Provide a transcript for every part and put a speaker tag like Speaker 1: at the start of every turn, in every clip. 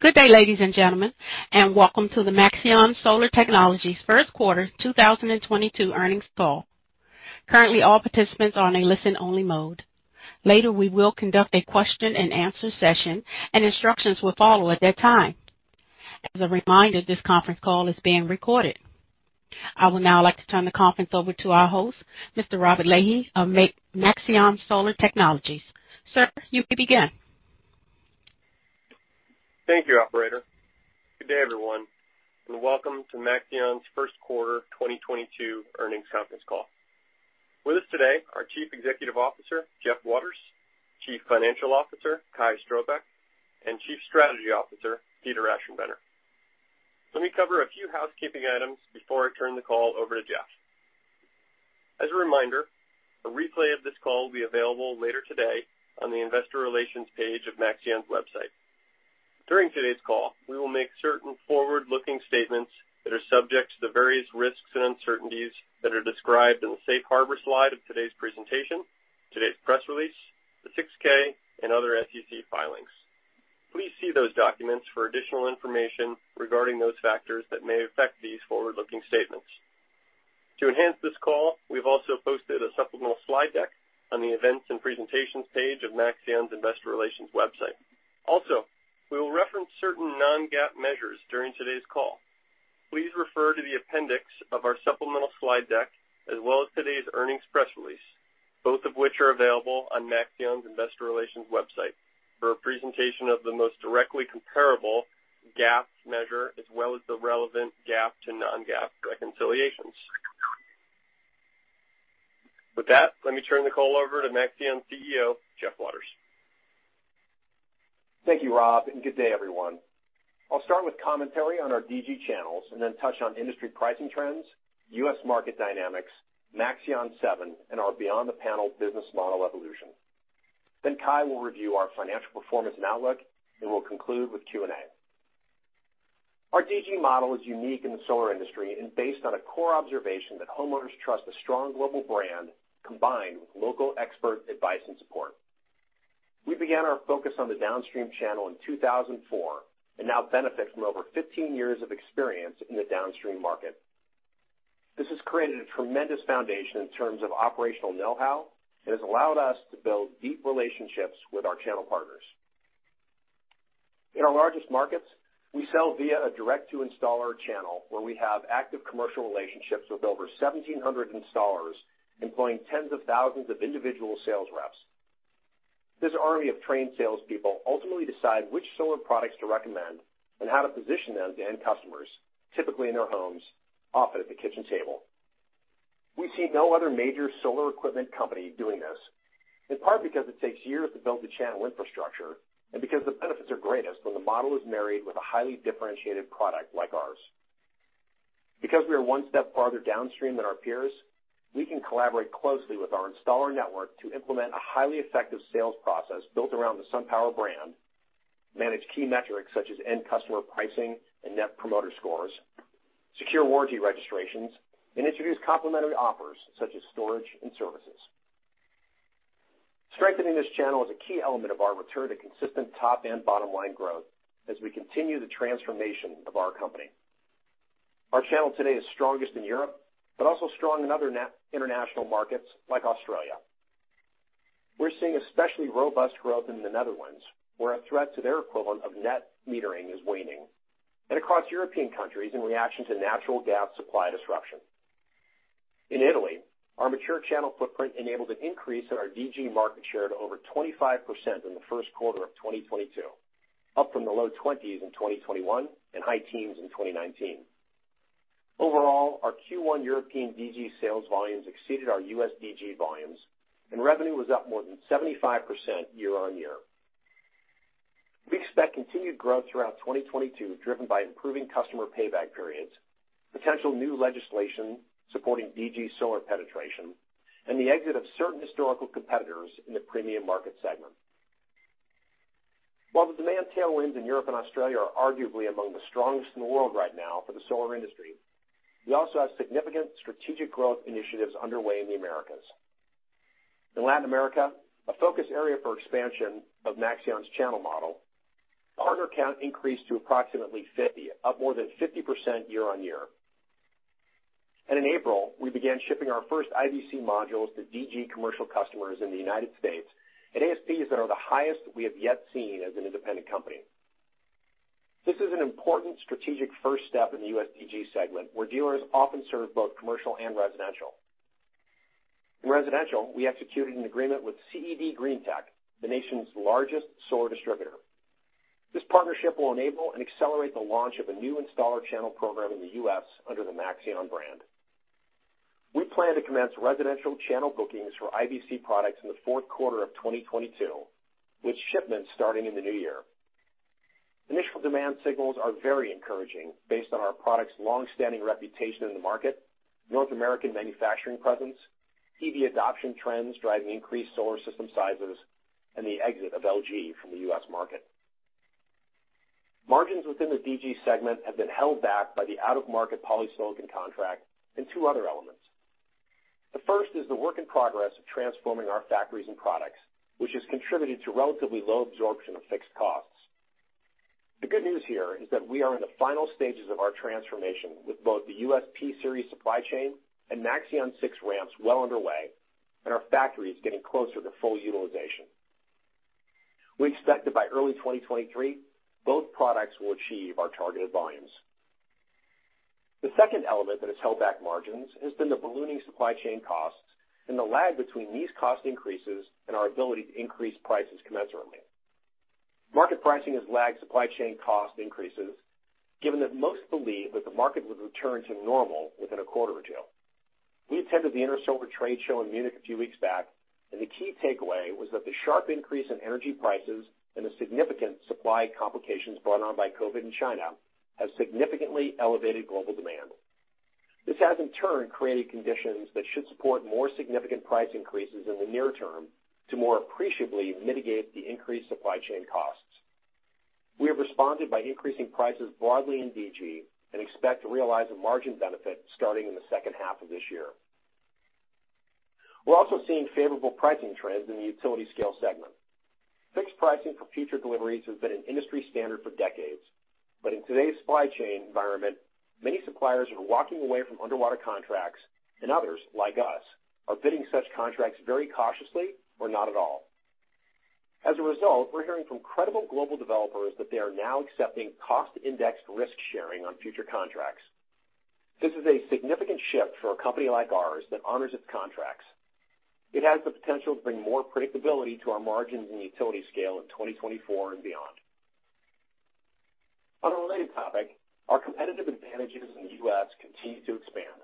Speaker 1: Good day, ladies and gentlemen, and welcome to the Maxeon Solar Technologies first quarter 2022 earnings call. Currently, all participants are in a listen-only mode. Later, we will conduct a question-and-answer session, and instructions will follow at that time. As a reminder, this conference call is being recorded. I would now like to turn the conference over to our host, Mr. Robert Lahey of Maxeon Solar Technologies. Sir, you may begin.
Speaker 2: Thank you, operator. Good day, everyone, and welcome to Maxeon's first quarter 2022 earnings conference call. With us today, our Chief Executive Officer, Jeff Waters, Chief Financial Officer, Kai Strohbecke, and Chief Strategy Officer, Peter Aschenbrenner. Let me cover a few housekeeping items before I turn the call over to Jeff. As a reminder, a replay of this call will be available later today on the investor relations page of Maxeon's website. During today's call, we will make certain forward-looking statements that are subject to the various risks and uncertainties that are described in the Safe Harbor slide of today's presentation, today's press release, the 6-K, and other SEC filings. Please see those documents for additional information regarding those factors that may affect these forward-looking statements. To enhance this call, we've also posted a supplemental slide deck on the Events and Presentations page of Maxeon's investor relations website. Also, we will reference certain non-GAAP measures during today's call. Please refer to the appendix of our supplemental slide deck as well as today's earnings press release, both of which are available on Maxeon's investor relations website, for a presentation of the most directly comparable GAAP measure, as well as the relevant GAAP to non-GAAP reconciliations. With that, let me turn the call over to Maxeon CEO, Jeff Waters.
Speaker 3: Thank you, Rob, and good day, everyone. I'll start with commentary on our DG channels and then touch on industry pricing trends, U.S. market dynamics, Maxeon 7, and our Beyond the Panel business model evolution. Then Kai will review our financial performance and outlook, and we'll conclude with Q&A. Our DG model is unique in the solar industry and based on a core observation that homeowners trust a strong global brand combined with local expert advice and support. We began our focus on the downstream channel in 2004 and now benefit from over 15 years of experience in the downstream market. This has created a tremendous foundation in terms of operational know-how and has allowed us to build deep relationships with our channel partners. In our largest markets, we sell via a direct-to-installer channel where we have active commercial relationships with over 1,700 installers employing tens of thousands of individual sales reps. This army of trained salespeople ultimately decide which solar products to recommend and how to position them to end customers, typically in their homes, often at the kitchen table. We see no other major solar equipment company doing this, in part because it takes years to build the channel infrastructure and because the benefits are greatest when the model is married with a highly differentiated product like ours. Because we are one step farther downstream than our peers, we can collaborate closely with our installer network to implement a highly effective sales process built around the SunPower brand, manage key metrics such as end customer pricing and net promoter scores, secure warranty registrations, and introduce complementary offers such as storage and services. Strengthening this channel is a key element of our return to consistent top and bottom-line growth as we continue the transformation of our company. Our channel today is strongest in Europe but also strong in other international markets like Australia. We're seeing especially robust growth in the Netherlands, where a threat to their equivalent of net metering is waning, and across European countries in reaction to natural gas supply disruption. In Italy, our mature channel footprint enabled an increase in our DG market share to over 25% in the first quarter of 2022, up from the low 20s in 2021 and high teens in 2019. Overall, our Q1 European DG sales volumes exceeded our US DG volumes, and revenue was up more than 75% year-on-year. We expect continued growth throughout 2022, driven by improving customer payback periods, potential new legislation supporting DG solar penetration, and the exit of certain historical competitors in the premium market segment. While the demand tailwinds in Europe and Australia are arguably among the strongest in the world right now for the solar industry, we also have significant strategic growth initiatives underway in the Americas. In Latin America, a focus area for expansion of Maxeon's channel model, partner count increased to approximately 50, up more than 50% year-over-year. In April, we began shipping our first IBC modules to DG commercial customers in the United States at ASPs that are the highest we have yet seen as an independent company. This is an important strategic first step in the U.S. DG segment, where dealers often serve both commercial and residential. In residential, we executed an agreement with CED Greentech, the nation's largest solar distributor. This partnership will enable and accelerate the launch of a new installer channel program in the U.S. under the Maxeon brand. We plan to commence residential channel bookings for IBC products in the fourth quarter of 2022, with shipments starting in the new year. Initial demand signals are very encouraging based on our product's long-standing reputation in the market, North American manufacturing presence, EV adoption trends driving increased solar system sizes, and the exit of LG from the U.S. market. Margins within the DG segment have been held back by the out-of-market polysilicon contract and two other elements. The first is the work in progress of transforming our factories and products, which has contributed to relatively low absorption of fixed costs. The good news here is that we are in the final stages of our transformation with both the U.S. P-Series supply chain and Maxeon 6 ramps well underway and our factories getting closer to full utilization. We expect that by early 2023, both products will achieve our targeted volumes. The second element that has held back margins has been the ballooning supply chain costs and the lag between these cost increases and our ability to increase prices commensurately. Market pricing has lagged supply chain cost increases, given that most believe that the market would return to normal within a quarter or two. We attended the Intersolar trade show in Munich a few weeks back, and the key takeaway was that the sharp increase in energy prices and the significant supply complications brought on by COVID in China have significantly elevated global demand. This has in turn created conditions that should support more significant price increases in the near term to more appreciably mitigate the increased supply chain costs. We have responded by increasing prices broadly in DG and expect to realize a margin benefit starting in the second half of this year. We're also seeing favorable pricing trends in the utility scale segment. Fixed pricing for future deliveries has been an industry standard for decades, but in today's supply chain environment, many suppliers are walking away from underwater contracts, and others, like us, are bidding such contracts very cautiously or not at all. As a result, we're hearing from credible global developers that they are now accepting cost-indexed risk sharing on future contracts. This is a significant shift for a company like ours that honors its contracts. It has the potential to bring more predictability to our margins in the utility scale in 2024 and beyond. On a related topic, our competitive advantages in the U.S. continue to expand.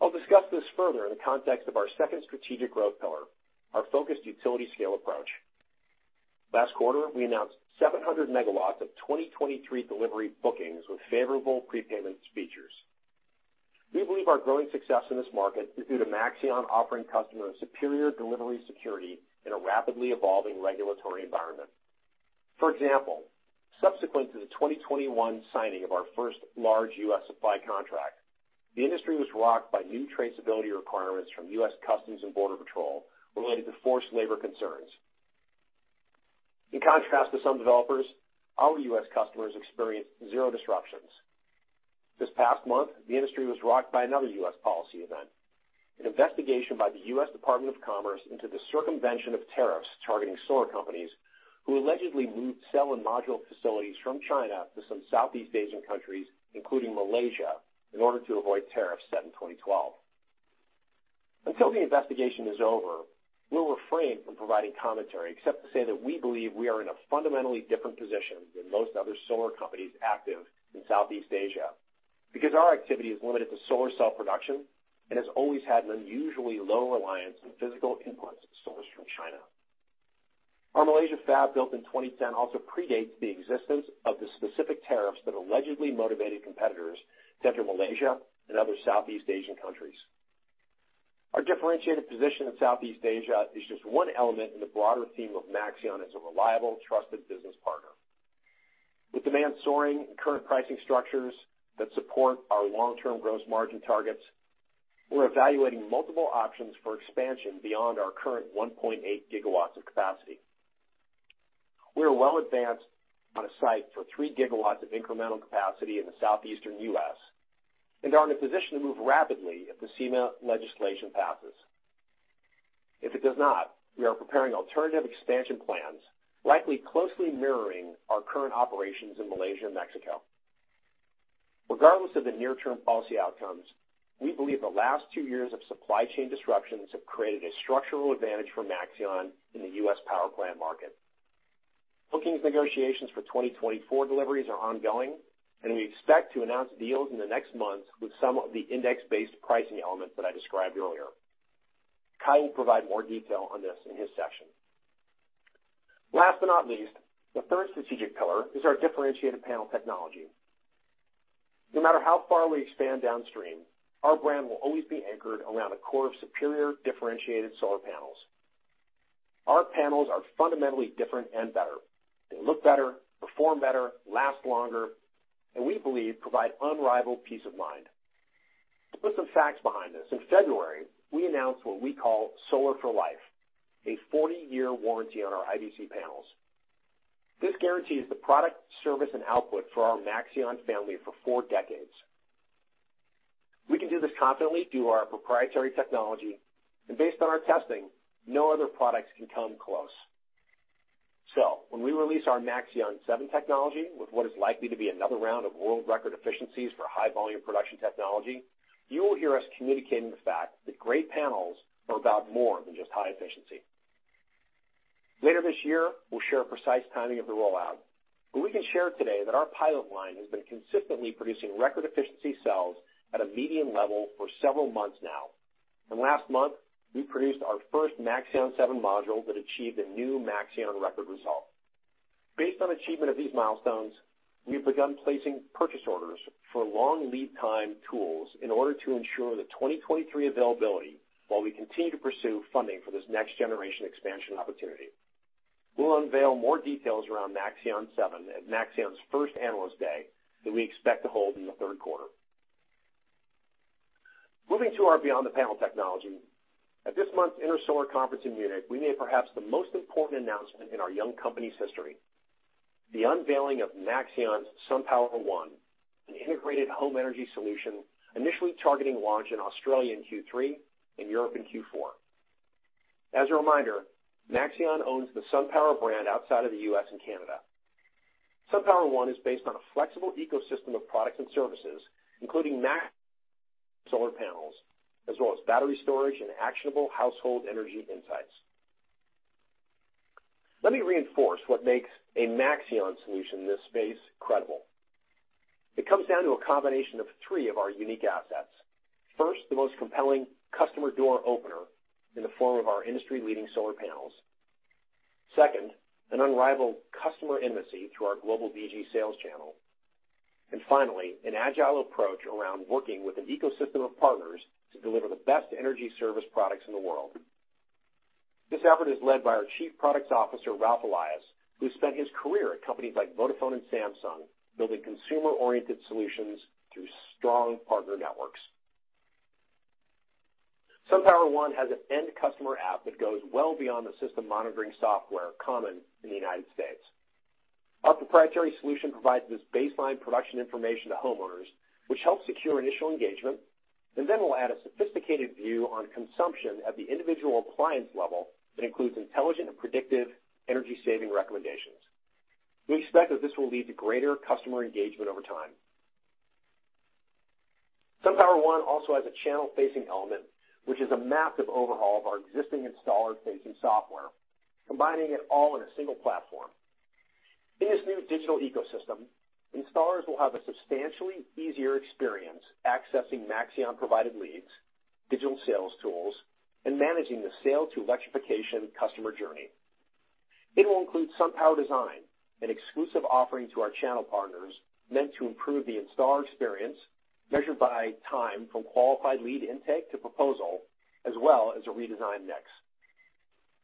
Speaker 3: I'll discuss this further in the context of our second strategic growth pillar, our focused utility scale approach. Last quarter, we announced 700 MW of 2023 delivery bookings with favorable prepayment features. We believe our growing success in this market is due to Maxeon offering customers superior delivery security in a rapidly evolving regulatory environment. For example, subsequent to the 2021 signing of our first large U.S. supply contract, the industry was rocked by new traceability requirements from U.S. Customs and Border Protection related to forced labor concerns. In contrast to some developers, our U.S. customers experienced zero disruptions. This past month, the industry was rocked by another U.S. policy event, an investigation by the U.S. Department of Commerce into the circumvention of tariffs targeting solar companies who allegedly moved cell and module facilities from China to some Southeast Asian countries, including Malaysia, in order to avoid tariffs set in 2012. Until the investigation is over, we'll refrain from providing commentary except to say that we believe we are in a fundamentally different position than most other solar companies active in Southeast Asia, because our activity is limited to solar cell production and has always had an unusually low reliance on physical inputs sourced from China. Our Malaysia fab, built in 2010, also predates the existence of the specific tariffs that allegedly motivated competitors to enter Malaysia and other Southeast Asian countries. Our differentiated position in Southeast Asia is just one element in the broader theme of Maxeon as a reliable, trusted business partner. With demand soaring and current pricing structures that support our long-term gross margin targets, we're evaluating multiple options for expansion beyond our current 1.8 GW of capacity. We are well advanced on a site for 3 GW of incremental capacity in the southeastern U.S. and are in a position to move rapidly if the SEMA legislation passes. If it does not, we are preparing alternative expansion plans, likely closely mirroring our current operations in Malaysia and Mexico. Regardless of the near-term policy outcomes, we believe the last two years of supply chain disruptions have created a structural advantage for Maxeon in the U.S. power plant market. Bookings negotiations for 2024 deliveries are ongoing, and we expect to announce deals in the next months with some of the index-based pricing elements that I described earlier. Kai will provide more detail on this in his section. Last but not least, the third strategic pillar is our differentiated panel technology. No matter how far we expand downstream, our brand will always be anchored around a core of superior, differentiated solar panels. Our panels are fundamentally different and better. They look better, perform better, last longer, and we believe provide unrivaled peace of mind. To put some facts behind this, in February, we announced what we call Solar for Life, a 40-year warranty on our IBC panels. This guarantees the product, service, and output for our Maxeon family for four decades. We can do this confidently due to our proprietary technology, and based on our testing, no other products can come close. When we release our Maxeon 7 technology with what is likely to be another round of world record efficiencies for high-volume production technology, you will hear us communicating the fact that great panels are about more than just high efficiency. Later this year, we'll share precise timing of the rollout, but we can share today that our pilot line has been consistently producing record efficiency cells at a medium level for several months now. Last month, we produced our first Maxeon 7 module that achieved a new Maxeon record result. Based on achievement of these milestones, we have begun placing purchase orders for long lead time tools in order to ensure the 2023 availability while we continue to pursue funding for this next generation expansion opportunity. We'll unveil more details around Maxeon 7 at Maxeon's first Analyst Day that we expect to hold in the third quarter. Moving to our beyond the panel technology. At this month's Intersolar conference in Munich, we made perhaps the most important announcement in our young company's history, the unveiling of Maxeon's SunPower One, an integrated home energy solution initially targeting launch in Australia in Q3, in Europe in Q4. As a reminder, Maxeon owns the SunPower brand outside of the U.S. and Canada. SunPower One is based on a flexible ecosystem of products and services, including Maxeon solar panels, as well as battery storage and actionable household energy insights. Let me reinforce what makes a Maxeon solution in this space credible. It comes down to a combination of three of our unique assets. First, the most compelling customer door opener in the form of our industry-leading solar panels. Second, an unrivaled customer intimacy through our global DG sales channel. Finally, an agile approach around working with an ecosystem of partners to deliver the best energy service products in the world. This effort is led by our Chief Product Officer, Ralf Elias, who spent his career at companies like Vodafone and Samsung, building consumer-oriented solutions through strong partner networks. SunPower One has an end customer app that goes well beyond the system monitoring software common in the United States. Our proprietary solution provides this baseline production information to homeowners, which helps secure initial engagement, and then will add a sophisticated view on consumption at the individual appliance level that includes intelligent and predictive energy-saving recommendations. We expect that this will lead to greater customer engagement over time. SunPower One also has a channel-facing element, which is a massive overhaul of our existing installer-facing software, combining it all in a single platform. In this new digital ecosystem, installers will have a substantially easier experience accessing Maxeon-provided leads, digital sales tools, and managing the sale to electrification customer journey. It will include SunPower Design, an exclusive offering to our channel partners meant to improve the installer experience measured by time from qualified lead intake to proposal, as well as a redesigned NEXT.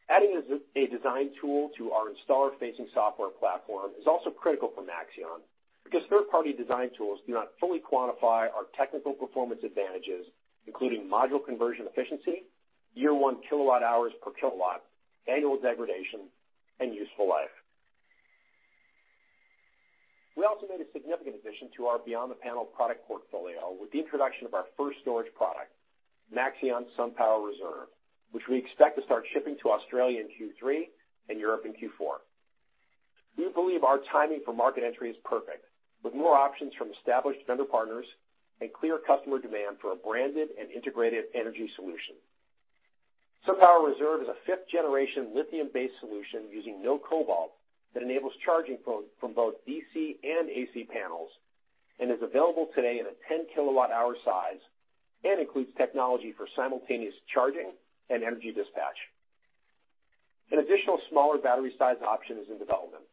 Speaker 3: Adding a design tool to our installer-facing software platform is also critical for Maxeon because third-party design tools do not fully quantify our technical performance advantages, including module conversion efficiency, year one kilowatt hours per kilowatt, annual degradation, and useful life. We also made a significant addition to our beyond the panel product portfolio with the introduction of our first storage product, SunPower Reserve, which we expect to start shipping to Australia in Q3 and Europe in Q4. We believe our timing for market entry is perfect, with more options from established vendor partners and clear customer demand for a branded and integrated energy solution. SunPower Reserve is a fifth-generation lithium-based solution using no cobalt that enables charging from both DC and AC panels and is available today in a 10 kWh size and includes technology for simultaneous charging and energy dispatch. An additional smaller battery size option is in development.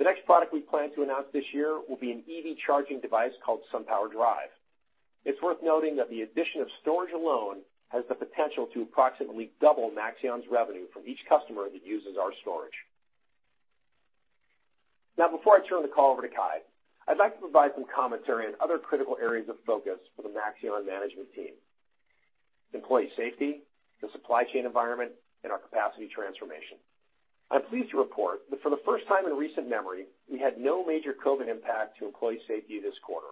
Speaker 3: The next product we plan to announce this year will be an EV charging device called SunPower Drive. It's worth noting that the addition of storage alone has the potential to approximately double Maxeon's revenue from each customer that uses our storage. Now, before I turn the call over to Kai, I'd like to provide some commentary on other critical areas of focus for the Maxeon management team, employee safety, the supply chain environment, and our capacity transformation. I'm pleased to report that for the first time in recent memory, we had no major COVID impact to employee safety this quarter.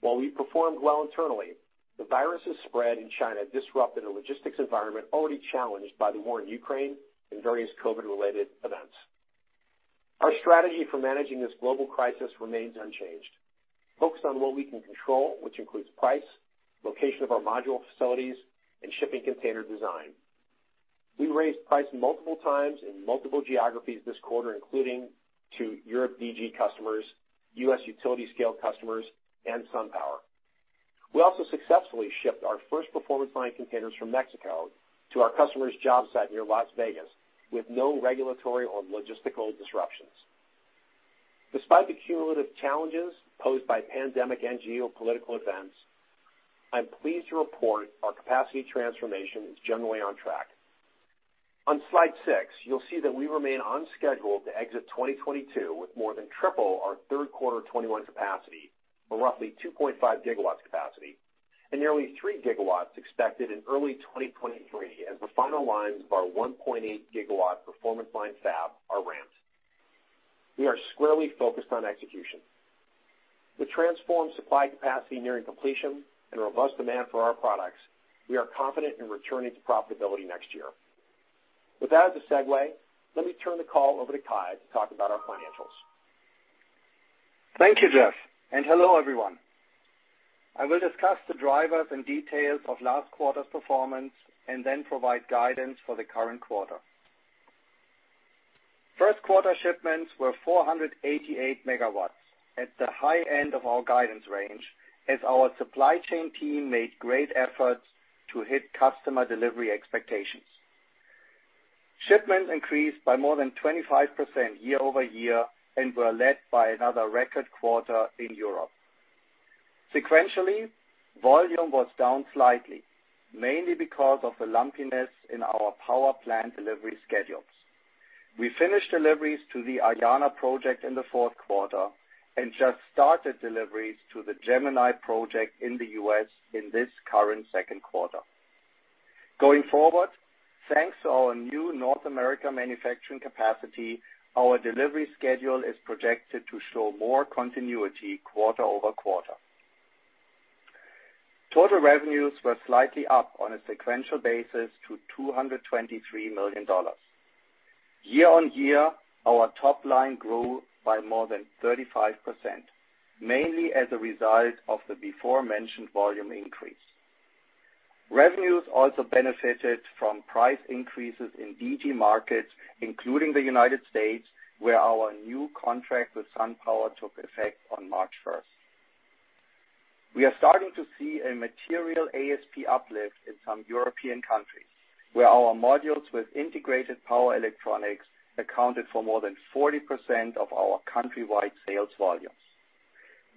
Speaker 3: While we performed well internally, the virus' spread in China disrupted a logistics environment already challenged by the war in Ukraine and various COVID-related events. Our strategy for managing this global crisis remains unchanged, focused on what we can control, which includes price, location of our module facilities, and shipping container design. We raised price multiple times in multiple geographies this quarter, including to Europe DG customers, U.S. utility scale customers, and SunPower. We also successfully shipped our first Performance Line containers from Mexico to our customer's job site near Las Vegas with no regulatory or logistical disruptions. Despite the cumulative challenges posed by pandemic and geopolitical events, I'm pleased to report our capacity transformation is generally on track. On Slide 6, you'll see that we remain on schedule to exit 2022 with more than triple our third quarter 2021 capacity, or roughly 2.5 GW capacity, and nearly 3 GW expected in early 2023 as the final lines of our 1.8 GW Performance Line fab are ramped. We are squarely focused on execution. With transformed supply capacity nearing completion and robust demand for our products, we are confident in returning to profitability next year. With that as a segue, let me turn the call over to Kai to talk about our financials.
Speaker 4: Thank you, Jeff, and hello, everyone. I will discuss the drivers and details of last quarter's performance and then provide guidance for the current quarter. First quarter shipments were 488 MW, at the high end of our guidance range, as our supply chain team made great efforts to hit customer delivery expectations. Shipments increased by more than 25% year-over-year and were led by another record quarter in Europe. Sequentially, volume was down slightly, mainly because of the lumpiness in our power plant delivery schedules. We finished deliveries to the Ayana project in the fourth quarter and just started deliveries to the Gemini project in the U.S. in this current second quarter. Going forward, thanks to our new North America manufacturing capacity, our delivery schedule is projected to show more continuity quarter-over-quarter. Total revenues were slightly up on a sequential basis to $223 million. Year-on-year, our top line grew by more than 35%, mainly as a result of the aforementioned volume increase. Revenues also benefited from price increases in DG markets, including the United States, where our new contract with SunPower took effect on March 1. We are starting to see a material ASP uplift in some European countries, where our modules with integrated power electronics accounted for more than 40% of our countrywide sales volumes.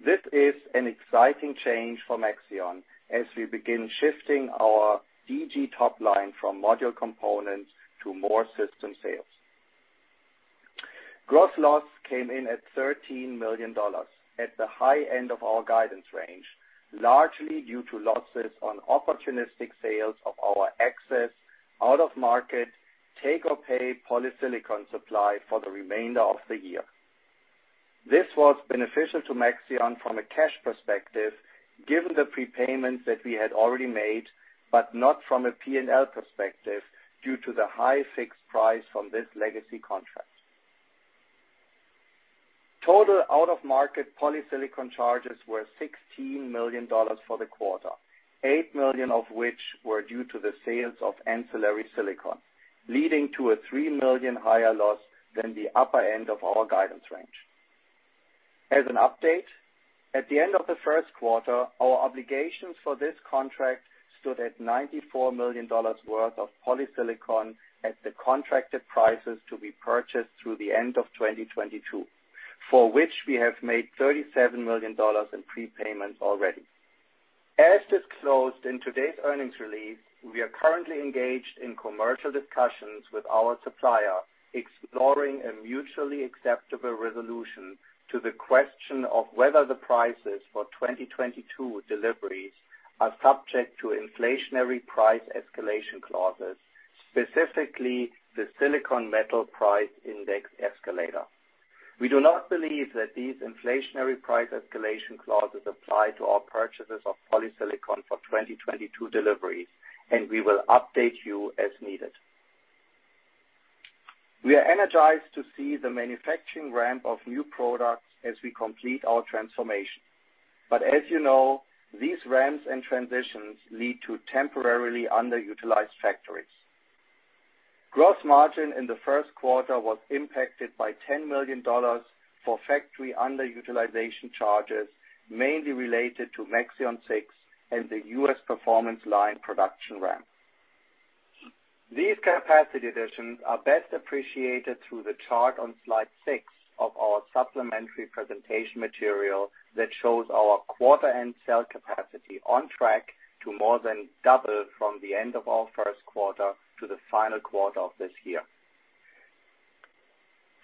Speaker 4: This is an exciting change for Maxeon as we begin shifting our DG top line from module components to more system sales. Gross loss came in at $13 million at the high end of our guidance range, largely due to losses on opportunistic sales of our excess out-of-market take-or-pay polysilicon supply for the remainder of the year. This was beneficial to Maxeon from a cash perspective, given the prepayments that we had already made, but not from a P&L perspective due to the high fixed price from this legacy contract. Total out-of-market polysilicon charges were $16 million for the quarter, $8 million of which were due to the sales of ancillary silicon, leading to a $3 million higher loss than the upper end of our guidance range. As an update, at the end of the first quarter, our obligations for this contract stood at $94 million worth of polysilicon at the contracted prices to be purchased through the end of 2022, for which we have made $37 million in prepayments already. As disclosed in today's earnings release, we are currently engaged in commercial discussions with our supplier, exploring a mutually acceptable resolution to the question of whether the prices for 2022 deliveries are subject to inflationary price escalation clauses, specifically the silicon metal price index escalator. We do not believe that these inflationary price escalation clauses apply to our purchases of polysilicon for 2022 deliveries, and we will update you as needed. We are energized to see the manufacturing ramp of new products as we complete our transformation. As you know, these ramps and transitions lead to temporarily underutilized factories. Gross margin in the first quarter was impacted by $10 million for factory underutilization charges, mainly related to Maxeon 6 and the U.S. Performance line production ramp. These capacity additions are best appreciated through the chart on slide six of our supplementary presentation material that shows our quarter-end cell capacity on track to more than double from the end of our first quarter to the final quarter of this year.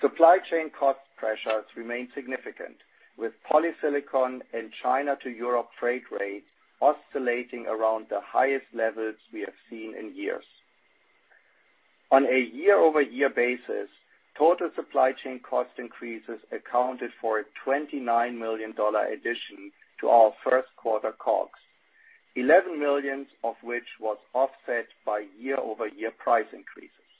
Speaker 4: Supply chain cost pressures remain significant, with polysilicon and China to Europe freight rate oscillating around the highest levels we have seen in years. On a year-over-year basis, total supply chain cost increases accounted for a $29 million addition to our first quarter COGS, 11 million of which was offset by year-over-year price increases.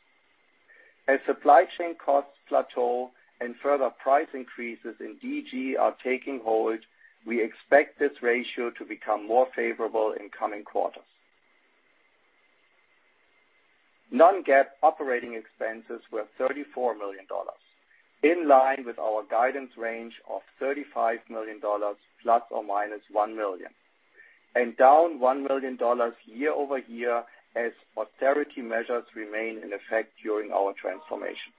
Speaker 4: As supply chain costs plateau and further price increases in DG are taking hold, we expect this ratio to become more favorable in coming quarters. Non-GAAP operating expenses were $34 million, in line with our guidance range of $35 million ± $1 million, and down $1 million year-over-year as austerity measures remain in effect during our transformation.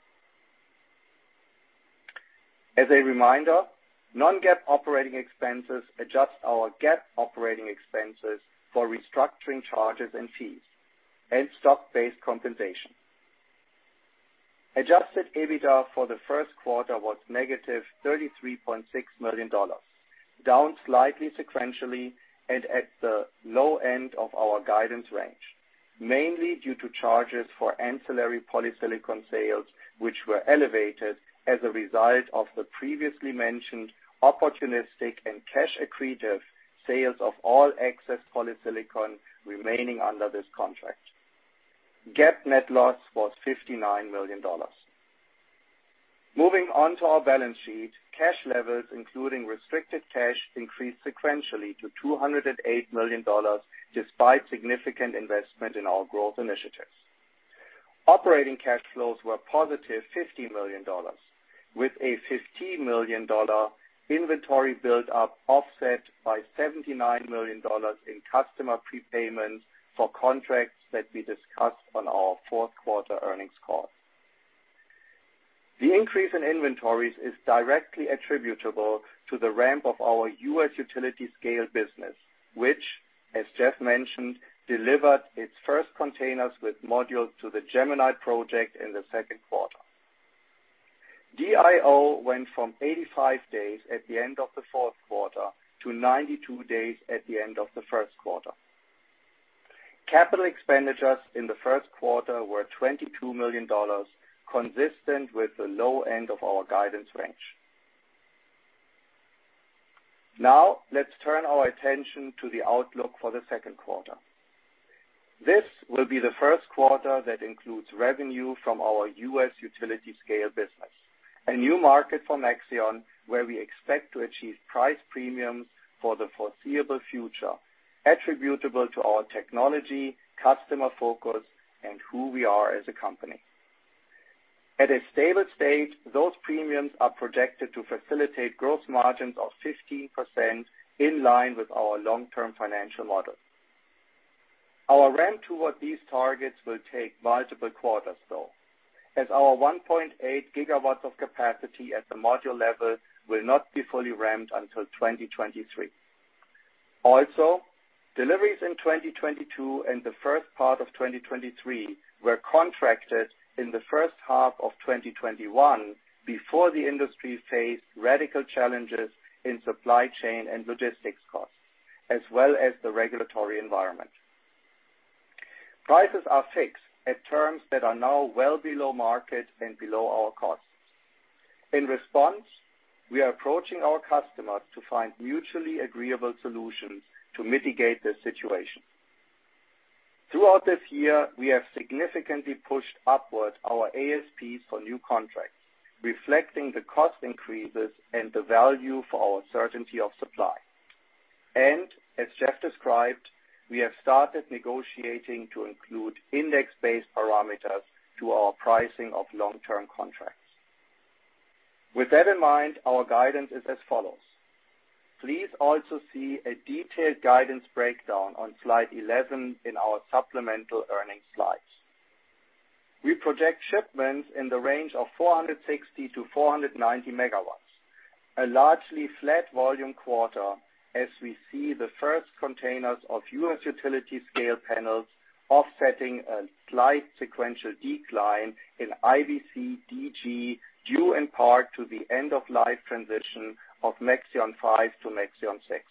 Speaker 4: As a reminder, non-GAAP operating expenses adjust our GAAP operating expenses for restructuring charges and fees and stock-based compensation. Adjusted EBITDA for the first quarter was negative $33.6 million, down slightly sequentially and at the low end of our guidance range, mainly due to charges for ancillary polysilicon sales, which were elevated as a result of the previously mentioned opportunistic and cash accretive sales of all excess polysilicon remaining under this contract. GAAP net loss was $59 million. Moving on to our balance sheet, cash levels, including restricted cash, increased sequentially to $208 million, despite significant investment in our growth initiatives. Operating cash flows were positive $50 million, with a $15 million inventory build up offset by $79 million in customer prepayments for contracts that we discussed on our fourth quarter earnings call. The increase in inventories is directly attributable to the ramp of our U.S. utility scale business, which as Jeff mentioned, delivered its first containers with modules to the Gemini project in the second quarter. DIO went from 85 days at the end of the fourth quarter to 92 days at the end of the first quarter. Capital expenditures in the first quarter were $22 million, consistent with the low end of our guidance range. Now, let's turn our attention to the outlook for the second quarter. This will be the first quarter that includes revenue from our U.S. utility scale business, a new market for Maxeon, where we expect to achieve price premiums for the foreseeable future, attributable to our technology, customer focus, and who we are as a company. At a stable state, those premiums are projected to facilitate growth margins of 15% in line with our long-term financial model. Our ramp toward these targets will take multiple quarters, though, as our 1.8 GW of capacity at the module level will not be fully ramped until 2023. Also, deliveries in 2022 and the first part of 2023 were contracted in the first half of 2021 before the industry faced radical challenges in supply chain and logistics costs, as well as the regulatory environment. Prices are fixed at terms that are now well below market and below our costs. In response, we are approaching our customers to find mutually agreeable solutions to mitigate this situation. Throughout this year, we have significantly pushed upward our ASPs for new contracts, reflecting the cost increases and the value for our certainty of supply. As Jeff described, we have started negotiating to include index-based parameters to our pricing of long-term contracts. With that in mind, our guidance is as follows. Please also see a detailed guidance breakdown on slide 11 in our supplemental earnings slides. We project shipments in the range of 460-490 MW, a largely flat volume quarter as we see the first containers of U.S. utility-scale panels offsetting a slight sequential decline in IBC DG, due in part to the end of life transition of Maxeon 5 to Maxeon 6.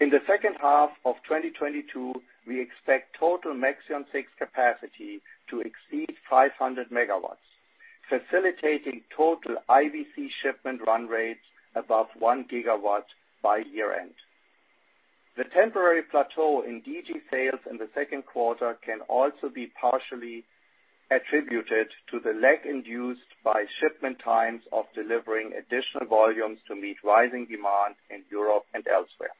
Speaker 4: In the second half of 2022, we expect total Maxeon 6 capacity to exceed 500 MW, facilitating total IBC shipment run rates above 1 GW by year-end. The temporary plateau in DG sales in the second quarter can also be partially attributed to the lag induced by shipment times of delivering additional volumes to meet rising demand in Europe and elsewhere.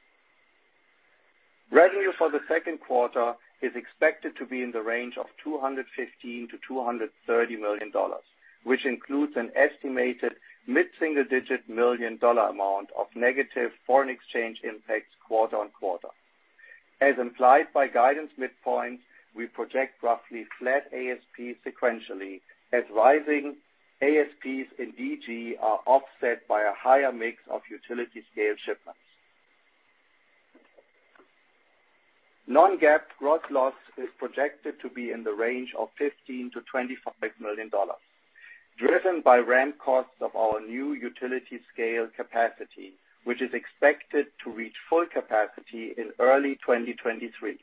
Speaker 4: Revenue for the second quarter is expected to be in the range of $215 million-$230 million, which includes an estimated mid-single-digit million-dollar amount of negative foreign exchange impacts quarter-over-quarter. As implied by guidance midpoint, we project roughly flat ASP sequentially, as rising ASPs in DG are offset by a higher mix of utility-scale shipments. non-GAAP gross loss is projected to be in the range of $15 million-$25 million, driven by ramp costs of our new utility-scale capacity, which is expected to reach full capacity in early 2023,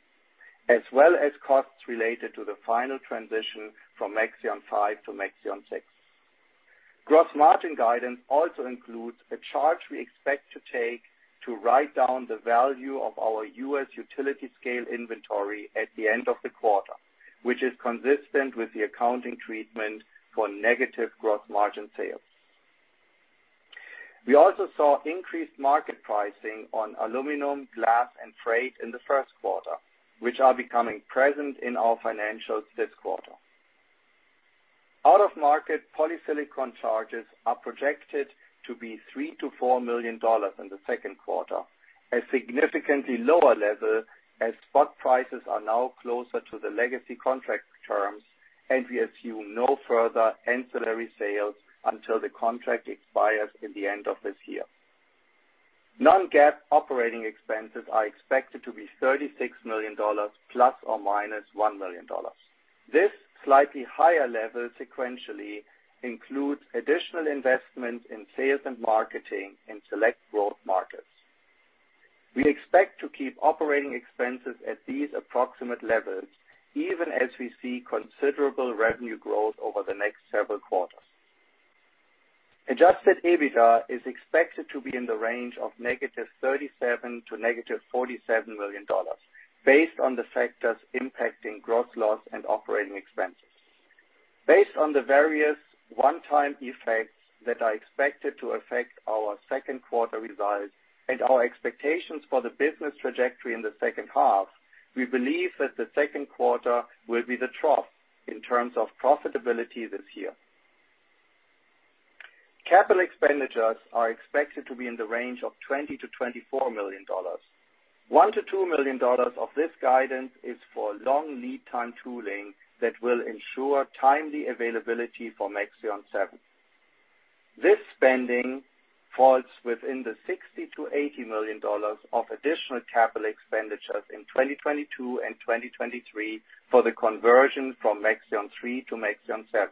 Speaker 4: as well as costs related to the final transition from Maxeon 5 to Maxeon 6. Gross margin guidance also includes a charge we expect to take to write down the value of our U.S. utility-scale inventory at the end of the quarter, which is consistent with the accounting treatment for negative gross margin sales. We also saw increased market pricing on aluminum, glass, and freight in the first quarter, which are becoming present in our financials this quarter. Out-of-market polysilicon charges are projected to be $3 million-$4 million in the second quarter, a significantly lower level as spot prices are now closer to the legacy contract terms, and we assume no further ancillary sales until the contract expires in the end of this year. non-GAAP operating expenses are expected to be $36 million ±$1 million. This slightly higher level sequentially includes additional investments in sales and marketing in select growth markets. We expect to keep operating expenses at these approximate levels, even as we see considerable revenue growth over the next several quarters. Adjusted EBITDA is expected to be in the range of -$37 million to -$47 million based on the factors impacting gross loss and operating expenses. Based on the various one-time effects that are expected to affect our second quarter results and our expectations for the business trajectory in the second half, we believe that the second quarter will be the trough in terms of profitability this year. Capital expenditures are expected to be in the range of $20 million-$24 million. $1 million-$2 million of this guidance is for long lead time tooling that will ensure timely availability for Maxeon 7. This spending falls within the $60 million-$80 million of additional capital expenditures in 2022 and 2023 for the conversion from Maxeon 3 to Maxeon 7,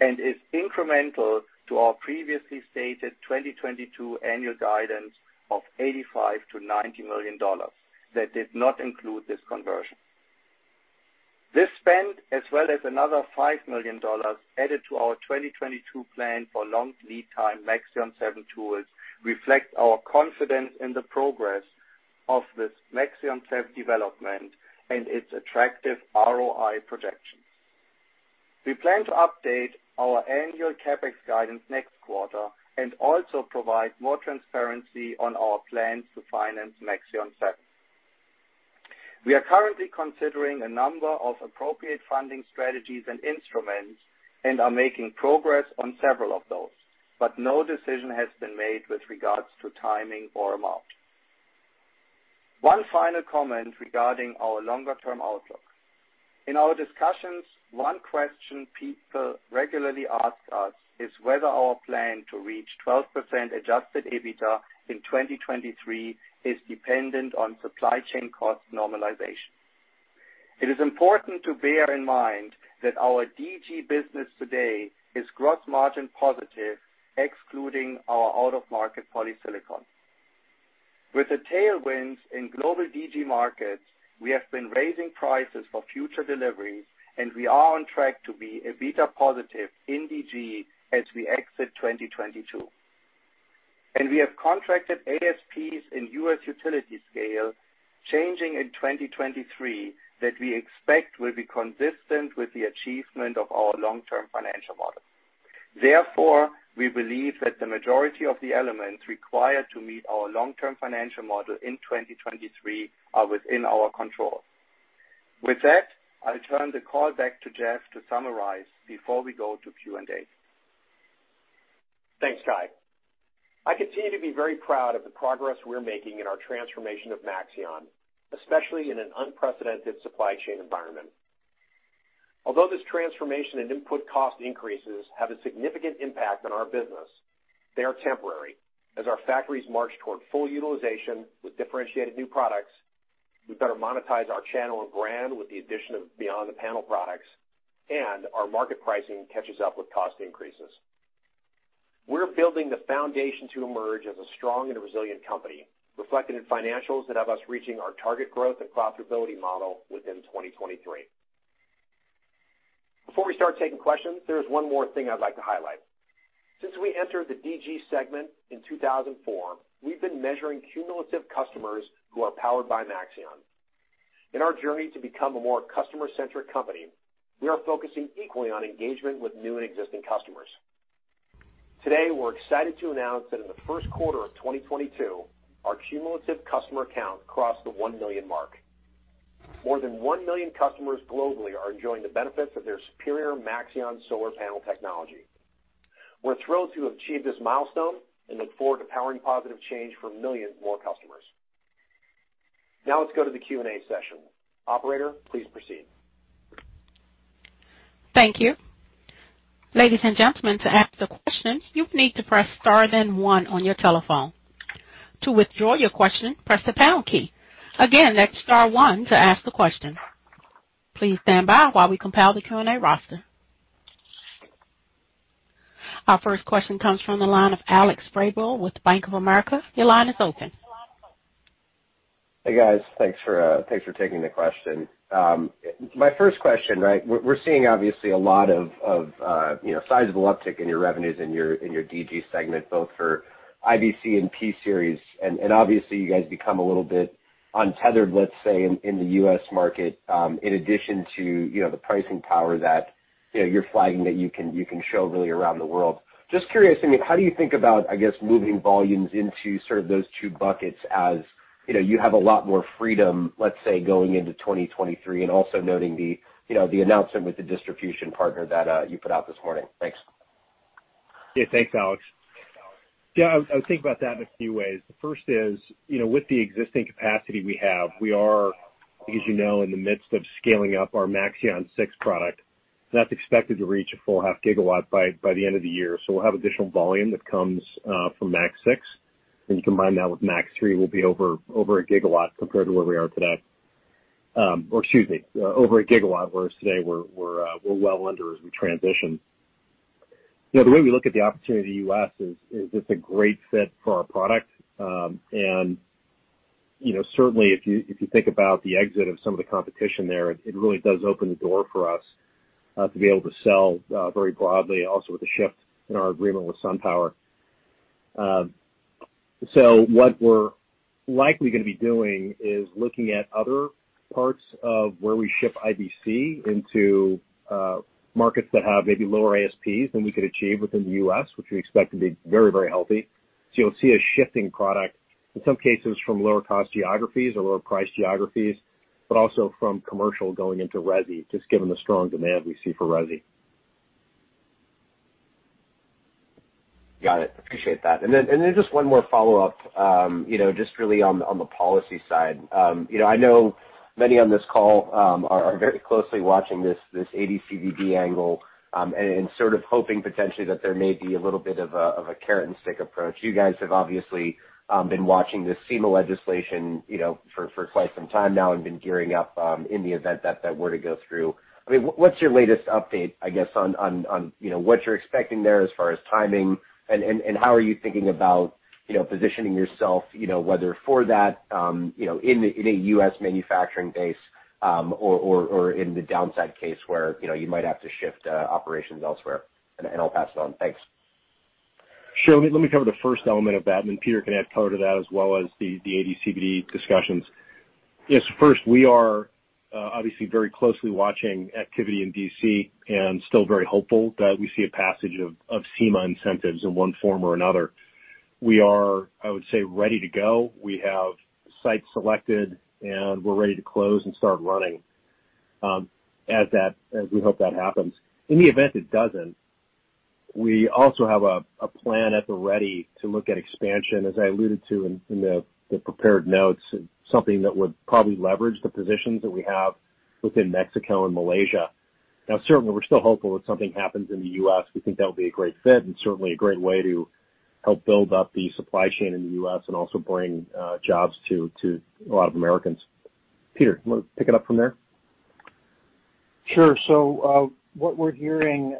Speaker 4: and is incremental to our previously stated 2022 annual guidance of $85-$90 million that did not include this conversion. This spend, as well as another $5 million added to our 2022 plan for long lead time Maxeon seven tools, reflect our confidence in the progress of this Maxeon seven development and its attractive ROI projections. We plan to update our annual CapEx guidance next quarter and also provide more transparency on our plans to finance Maxeon seven. We are currently considering a number of appropriate funding strategies and instruments and are making progress on several of those, but no decision has been made with regards to timing or amount. One final comment regarding our longer term outlook. In our discussions, one question people regularly ask us is whether our plan to reach 12% adjusted EBITDA in 2023 is dependent on supply chain cost normalization. It is important to bear in mind that our DG business today is gross margin positive, excluding our out-of-market polysilicon. With the tailwinds in global DG markets, we have been raising prices for future deliveries, and we are on track to be EBITDA positive in DG as we exit 2022. We have contracted ASPs in U.S. utility scale changing in 2023 that we expect will be consistent with the achievement of our long-term financial model. Therefore, we believe that the majority of the elements required to meet our long-term financial model in 2023 are within our control. With that, I turn the call back to Jeff to summarize before we go to Q&A.
Speaker 3: Thanks, Kai. I continue to be very proud of the progress we're making in our transformation of Maxeon, especially in an unprecedented supply chain environment. Although this transformation and input cost increases have a significant impact on our business, they are temporary, as our factories march toward full utilization with differentiated new products, we better monetize our channel and brand with the addition of beyond the panel products, and our market pricing catches up with cost increases. We're building the foundation to emerge as a strong and resilient company, reflected in financials that have us reaching our target growth and profitability model within 2023. Before we start taking questions, there is one more thing I'd like to highlight. Since we entered the DG segment in 2004, we've been measuring cumulative customers who are powered by Maxeon. In our journey to become a more customer-centric company, we are focusing equally on engagement with new and existing customers. Today, we're excited to announce that in the first quarter of 2022, our cumulative customer count crossed the 1 million mark. More than 1 million customers globally are enjoying the benefits of their superior Maxeon solar panel technology. We're thrilled to have achieved this milestone and look forward to powering positive change for millions more customers. Now let's go to the Q&A session. Operator, please proceed.
Speaker 1: Thank you. Ladies and gentlemen, to ask the questions, you need to press star then one on your telephone. To withdraw your question, press the pound key. Again, that's star one to ask the question. Please stand by while we compile the Q&A roster. Our first question comes from the line of Alex Vrabel with Bank of America. Your line is open.
Speaker 5: Hey, guys. Thanks for taking the question. My first question, right? We're seeing obviously a lot of, you know, sizable uptick in your revenues in your DG segment, both for IBC and P-Series. Obviously you guys become a little bit untethered, let's say, in the U.S. market, in addition to, you know, the pricing power that, you know, you're flagging that you can show really around the world. Just curious, I mean, how do you think about, I guess, moving volumes into sort of those two buckets as, you know, you have a lot more freedom, let's say, going into 2023 and also noting the, you know, the announcement with the distribution partner that you put out this morning? Thanks.
Speaker 3: Yeah. Thanks, Alex. Yeah, I would think about that in a few ways. The first is, you know, with the existing capacity we have, we are, as you know, in the midst of scaling up our Maxeon 6 product. That's expected to reach a full half gigawatt by the end of the year. So we'll have additional volume that comes from Maxeon 6. When you combine that with Maxeon 3, we'll be over 1 GW compared to where we are today. Over 1 GW, whereas today we're well under as we transition. You know, the way we look at the opportunity in the US is it's a great fit for our product. You know, certainly if you think about the exit of some of the competition there, it really does open the door for us to be able to sell very broadly, also with the shift in our agreement with SunPower. What we're likely gonna be doing is looking at other parts of where we ship IBC into markets that have maybe lower ASPs than we could achieve within the U.S., which we expect to be very, very healthy. You'll see a shift in product, in some cases from lower cost geographies or lower price geographies. Also from commercial going into resi, just given the strong demand we see for resi.
Speaker 5: Got it. Appreciate that. Then just one more follow-up, you know, just really on the policy side. You know, I know many on this call are very closely watching this AD/CVD angle, and sort of hoping potentially that there may be a little bit of a carrot and stick approach. You guys have obviously been watching this SEMA legislation, you know, for quite some time now and been gearing up in the event that that were to go through. I mean, what's your latest update, I guess, on you know, what you're expecting there as far as timing? How are you thinking about, you know, positioning yourself, you know, whether for that, you know, in a U.S. manufacturing base, or in the downside case where, you know, you might have to shift operations elsewhere? I'll pass it on. Thanks.
Speaker 3: Sure. Let me cover the first element of that, and then Peter can add color to that as well as the AD/CVD discussions. Yes. First, we are obviously very closely watching activity in D.C. and still very hopeful that we see a passage of SEMA incentives in one form or another. We are, I would say, ready to go. We have sites selected, and we're ready to close and start running as we hope that happens. In the event it doesn't, we also have a plan at the ready to look at expansion. As I alluded to in the prepared notes, something that would probably leverage the positions that we have within Mexico and Malaysia. Now certainly, we're still hopeful that something happens in the U.S. We think that'll be a great fit and certainly a great way to help build up the supply chain in the U.S. and also bring jobs to a lot of Americans. Peter, you wanna pick it up from there?
Speaker 6: Sure. What we're hearing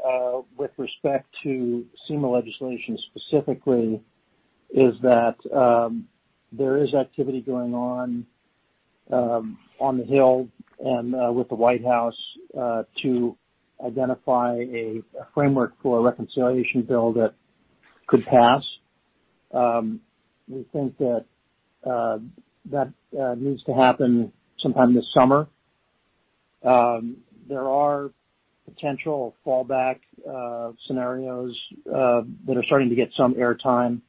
Speaker 6: with respect to SEMA legislation specifically is that there is activity going on on the Hill and with the White House to identify a framework for a reconciliation bill that could pass. We think that needs to happen sometime this summer. There are potential fallback scenarios that are starting to get some airtime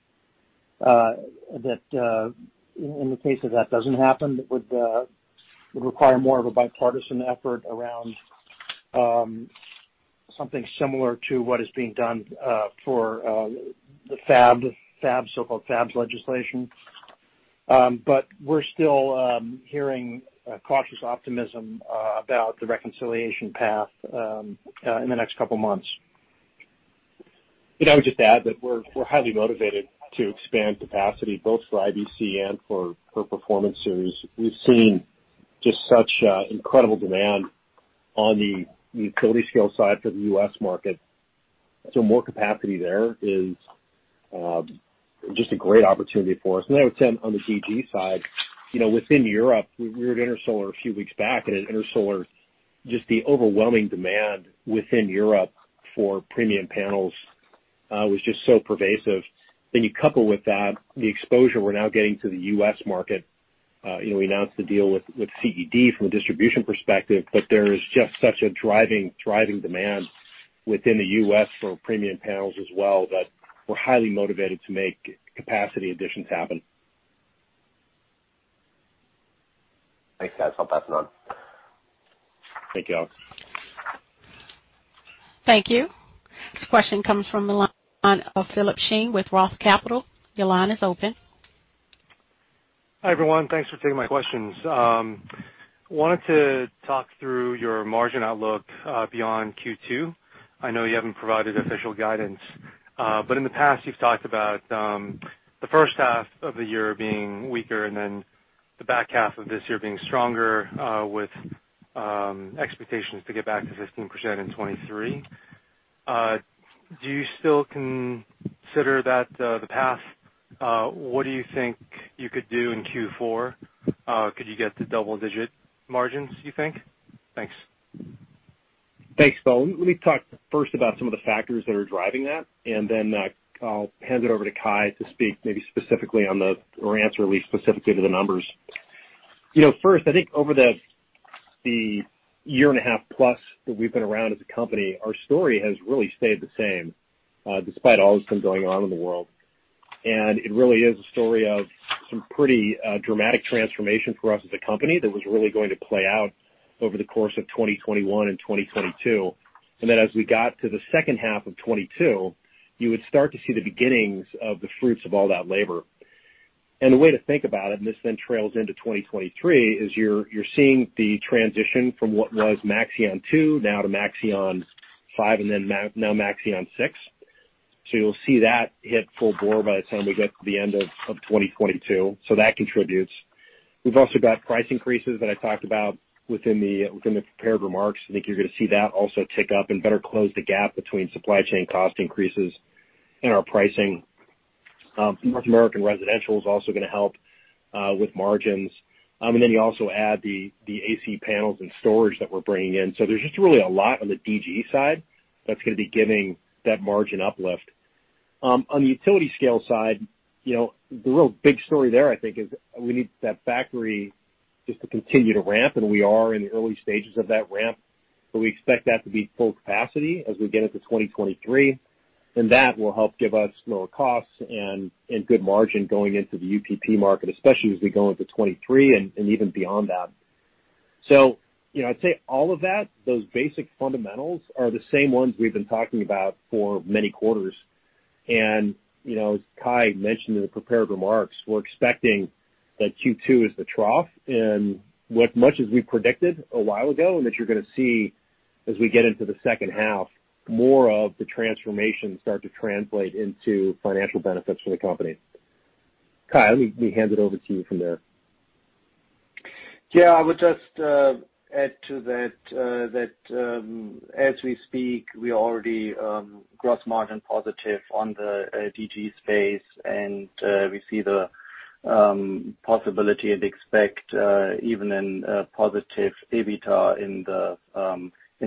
Speaker 6: that in the case that that doesn't happen that would require more of a bipartisan effort around something similar to what is being done for the so-called FABS legislation. We're still hearing a cautious optimism about the reconciliation path in the next couple months.
Speaker 3: I would just add that we're highly motivated to expand capacity both for IBC and for Performance Series. We've seen just such incredible demand on the utility scale side for the US market. More capacity there is just a great opportunity for us. I would say on the DG side, you know, within Europe, we were at Intersolar a few weeks back, and at Intersolar, just the overwhelming demand within Europe for premium panels was just so pervasive. You couple with that the exposure we're now getting to the US market, you know, we announced the deal with CED from a distribution perspective, but there is just such a driving, thriving demand within the US for premium panels as well that we're highly motivated to make capacity additions happen.
Speaker 5: Thanks, guys. I'll pass it on.
Speaker 3: Thank you, Alex.
Speaker 1: Thank you. This question comes from the line of Philip Shen with Roth Capital. Your line is open.
Speaker 7: Hi, everyone. Thanks for taking my questions. Wanted to talk through your margin outlook, beyond Q2. I know you haven't provided official guidance, but in the past, you've talked about the first half of the year being weaker and then the back half of this year being stronger, with expectations to get back to 15% in 2023. Do you still consider that the path? What do you think you could do in Q4? Could you get to double-digit margins, you think? Thanks.
Speaker 3: Thanks, Phil. Let me talk first about some of the factors that are driving that, and then, I'll hand it over to Kai to speak maybe specifically on the or answer at least specifically to the numbers. You know, first, I think over the year and a half plus that we've been around as a company, our story has really stayed the same, despite all that's been going on in the world. It really is a story of some pretty dramatic transformation for us as a company that was really going to play out over the course of 2021 and 2022. Then as we got to the second half of 2022, you would start to see the beginnings of the fruits of all that labor. The way to think about it, and this then trails into 2023, is you're seeing the transition from what was Maxeon 2, now to Maxeon 5, and then now Maxeon 6. You'll see that hit full bore by the time we get to the end of 2022. That contributes. We've also got price increases that I talked about within the prepared remarks. I think you're gonna see that also tick up and better close the gap between supply chain cost increases and our pricing. North American residential is also gonna help with margins. And then you also add the AC panels and storage that we're bringing in. There's just really a lot on the DG side that's gonna be giving that margin uplift. On the utility scale side, you know, the real big story there, I think, is we need that factory just to continue to ramp, and we are in the early stages of that ramp. We expect that to be full capacity as we get into 2023. That will help give us lower costs and good margin going into the UPP market, especially as we go into 2023 and even beyond that. You know, I'd say all of that, those basic fundamentals are the same ones we've been talking about for many quarters. You know, as Kai mentioned in the prepared remarks, we're expecting that Q2 is the trough. As much as we predicted a while ago, and that you're gonna see as we get into the second half, more of the transformation start to translate into financial benefits for the company. Kai, let me hand it over to you from there.
Speaker 4: Yeah. I would just add to that that as we speak we are already gross margin positive on the DG space. We see the possibility and expect even positive EBITDA in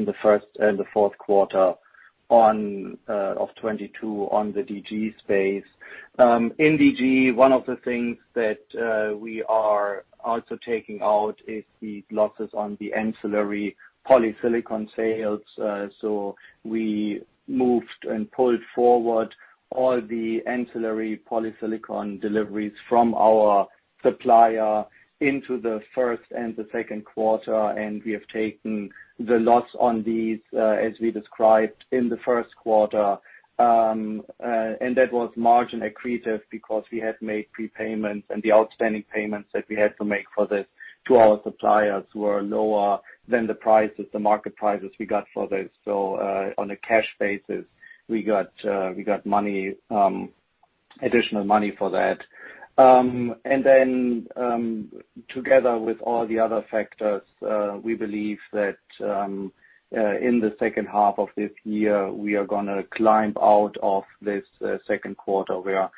Speaker 4: the fourth quarter of 2022 on the DG space. In DG one of the things that we are also taking out is the losses on the ancillary polysilicon sales. We moved and pulled forward all the ancillary polysilicon deliveries from our supplier into the first and the second quarter and we have taken the loss on these as we described in the first quarter. That was margin accretive because we had made prepayments, and the outstanding payments that we had to make for this to our suppliers were lower than the prices, the market prices we got for this. On a cash basis, we got money, additional money for that. Together with all the other factors, we believe that in the second half of this year, we are gonna climb out of this second quarter, where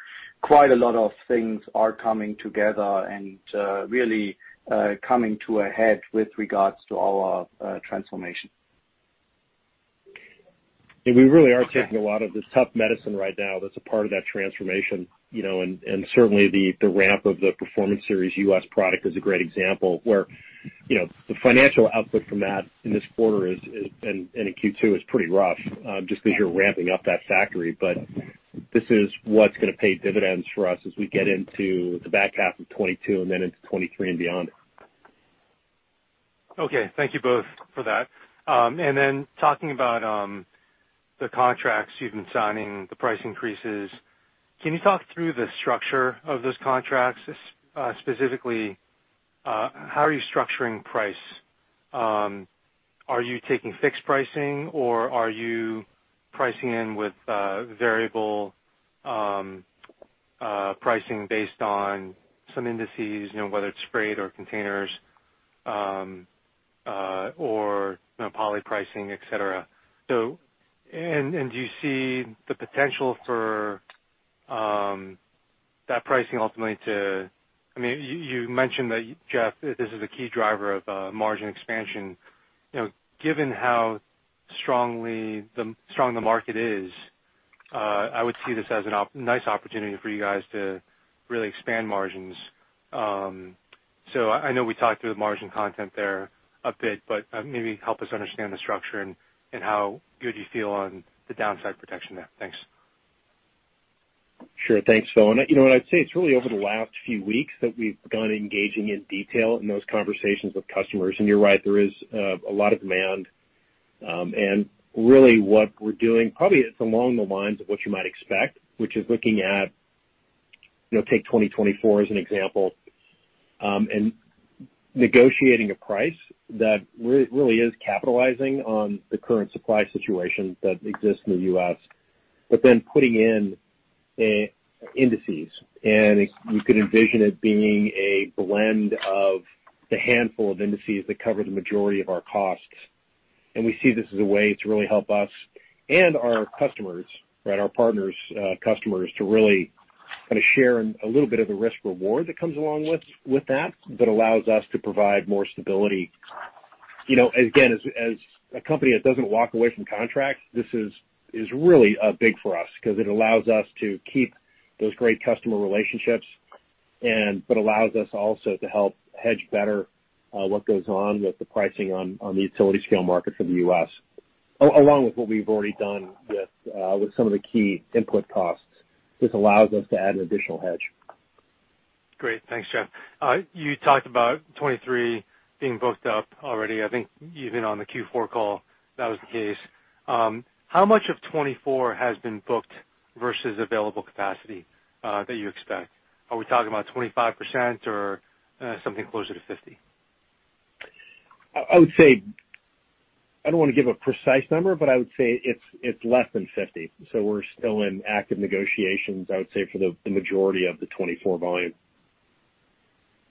Speaker 4: quite a lot of things are coming together and really coming to a head with regards to our transformation.
Speaker 3: We really are taking a lot of the tough medicine right now that's a part of that transformation, you know, and certainly the ramp of the Performance Series US product is a great example, where, you know, the financial output from that in this quarter is and in Q2 is pretty rough, just because you're ramping up that factory. This is what's gonna pay dividends for us as we get into the back half of 2022 and then into 2023 and beyond.
Speaker 7: Okay. Thank you both for that. Talking about the contracts you've been signing, the price increases, can you talk through the structure of those contracts? Specifically, how are you structuring price? Are you taking fixed pricing, or are you pricing in with variable pricing based on some indices, you know, whether it's freight or containers, or, you know, poly pricing, et cetera? Do you see the potential for that pricing ultimately to? I mean, you mentioned that, Jeff, this is a key driver of margin expansion. You know, given how strong the market is, I would see this as an optimal opportunity for you guys to really expand margins. I know we talked through the margin content there a bit, but maybe help us understand the structure and how good you feel on the downside protection there. Thanks.
Speaker 3: Sure. Thanks, Philip. You know, what I'd say, it's really over the last few weeks that we've been engaging in detail in those conversations with customers. You're right, there is a lot of demand. Really what we're doing, probably it's along the lines of what you might expect, which is looking at, you know, take 2024 as an example, and negotiating a price that really is capitalizing on the current supply situation that exists in the U.S., but then putting in indices. You could envision it being a blend of the handful of indices that cover the majority of our costs. We see this as a way to really help us and our customers, right, our partners' customers, to really kinda share in a little bit of the risk/reward that comes along with that, but allows us to provide more stability. You know, again, as a company that doesn't walk away from contracts, this is really big for us because it allows us to keep those great customer relationships and but allows us also to help hedge better what goes on with the pricing on the utility scale market for the US. Along with what we've already done with some of the key input costs. This allows us to add an additional hedge.
Speaker 7: Great. Thanks, Jeff. You talked about 2023 being booked up already. I think even on the Q4 call that was the case. How much of 2024 has been booked versus available capacity that you expect? Are we talking about 25% or something closer to 50?
Speaker 3: I would say I don't wanna give a precise number, but I would say it's less than 50. We're still in active negotiations, I would say, for the majority of the 24 volume.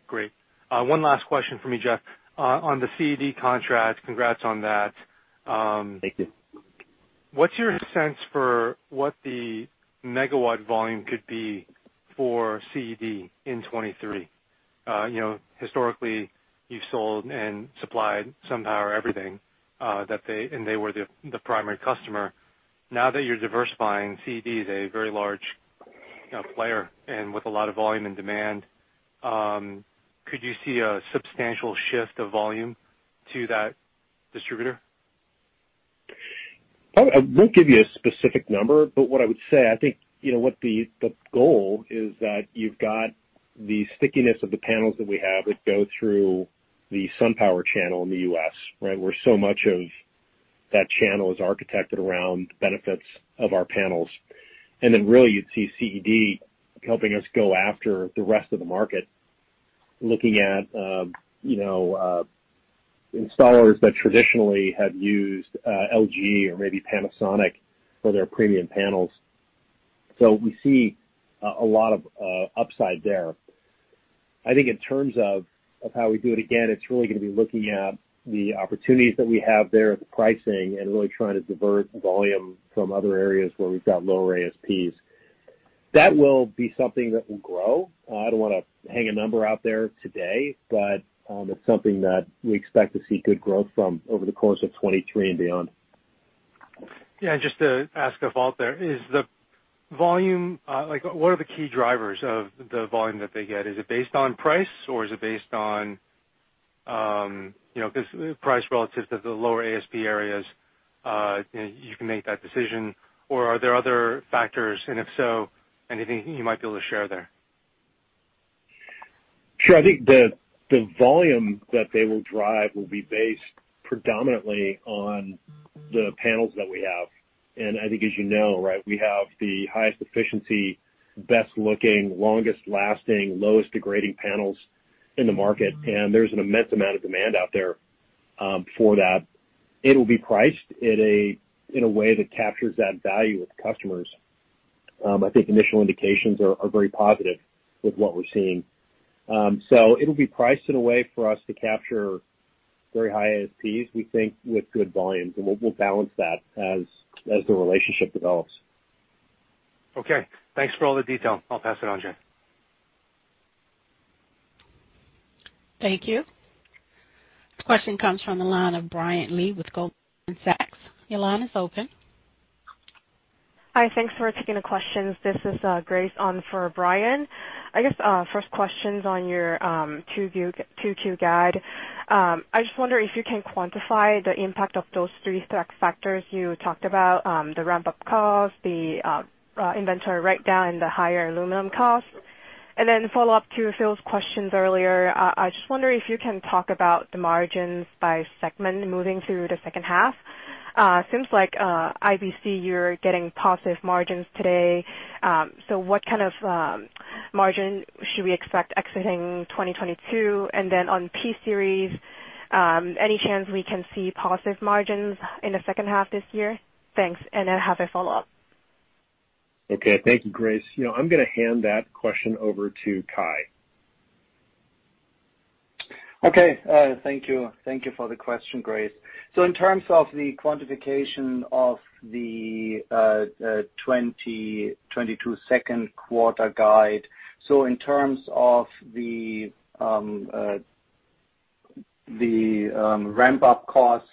Speaker 7: Great. One last question from me, Jeff. On the CED contract, congrats on that.
Speaker 3: Thank you.
Speaker 7: What's your sense for what the megawatt volume could be for CED in 2023? You know, historically, you've sold and supplied SunPower everything that they were the primary customer. Now that you're diversifying, CED is a very large, you know, player and with a lot of volume and demand. Could you see a substantial shift of volume to that distributor?
Speaker 3: I won't give you a specific number, but what I would say, I think, you know, what the goal is that you've got the stickiness of the panels that we have that go through the SunPower channel in the US, right, where so much of that channel is architected around benefits of our panels. Really you'd see CED helping us go after the rest of the market, looking at, you know, installers that traditionally have used, LG or maybe Panasonic for their premium panels. We see a lot of upside there. I think in terms of how we do it, again, it's really gonna be looking at the opportunities that we have there at the pricing and really trying to divert volume from other areas where we've got lower ASPs. That will be something that will grow. I don't wanna hang a number out there today, but it's something that we expect to see good growth from over the course of 2023 and beyond.
Speaker 7: Yeah, just to ask a follow up there, is the volume, like what are the key drivers of the volume that they get? Is it based on price or is it based on, you know, this price relative to the lower ASP areas, you know, you can make that decision or are there other factors and if so, anything you might be able to share there?
Speaker 3: Sure. I think the volume that they will drive will be based predominantly on the panels that we have. I think as you know, right, we have the highest efficiency, best looking, longest lasting, lowest degrading panels in the market and there's an immense amount of demand out there for that. It'll be priced in a way that captures that value with customers. I think initial indications are very positive with what we're seeing. It'll be priced in a way for us to capture very high ASPs we think with good volumes and we'll balance that as the relationship develops.
Speaker 7: Okay. Thanks for all the detail. I'll pass it on, Jane.
Speaker 1: Thank you. The question comes from the line of Brian Lee with Goldman Sachs. Your line is open.
Speaker 8: Hi. Thanks for taking the questions. This is Grace on for Brian. I guess first questions on your Q2 guide. I just wonder if you can quantify the impact of those three factors you talked about, the ramp-up costs, the inventory write down and the higher aluminum costs. Follow up to Phil's questions earlier, I just wonder if you can talk about the margins by segment moving through the second half. Seems like IBC you're getting positive margins today. What kind of margin should we expect exiting 2022? On P-Series, any chance we can see positive margins in the second half this year? Thanks, and I have a follow up.
Speaker 3: Okay. Thank you, Grace. You know, I'm gonna hand that question over to Kai.
Speaker 4: Okay. Thank you for the question, Grace. In terms of the quantification of the 2022 second quarter guide, in terms of the ramp-up cost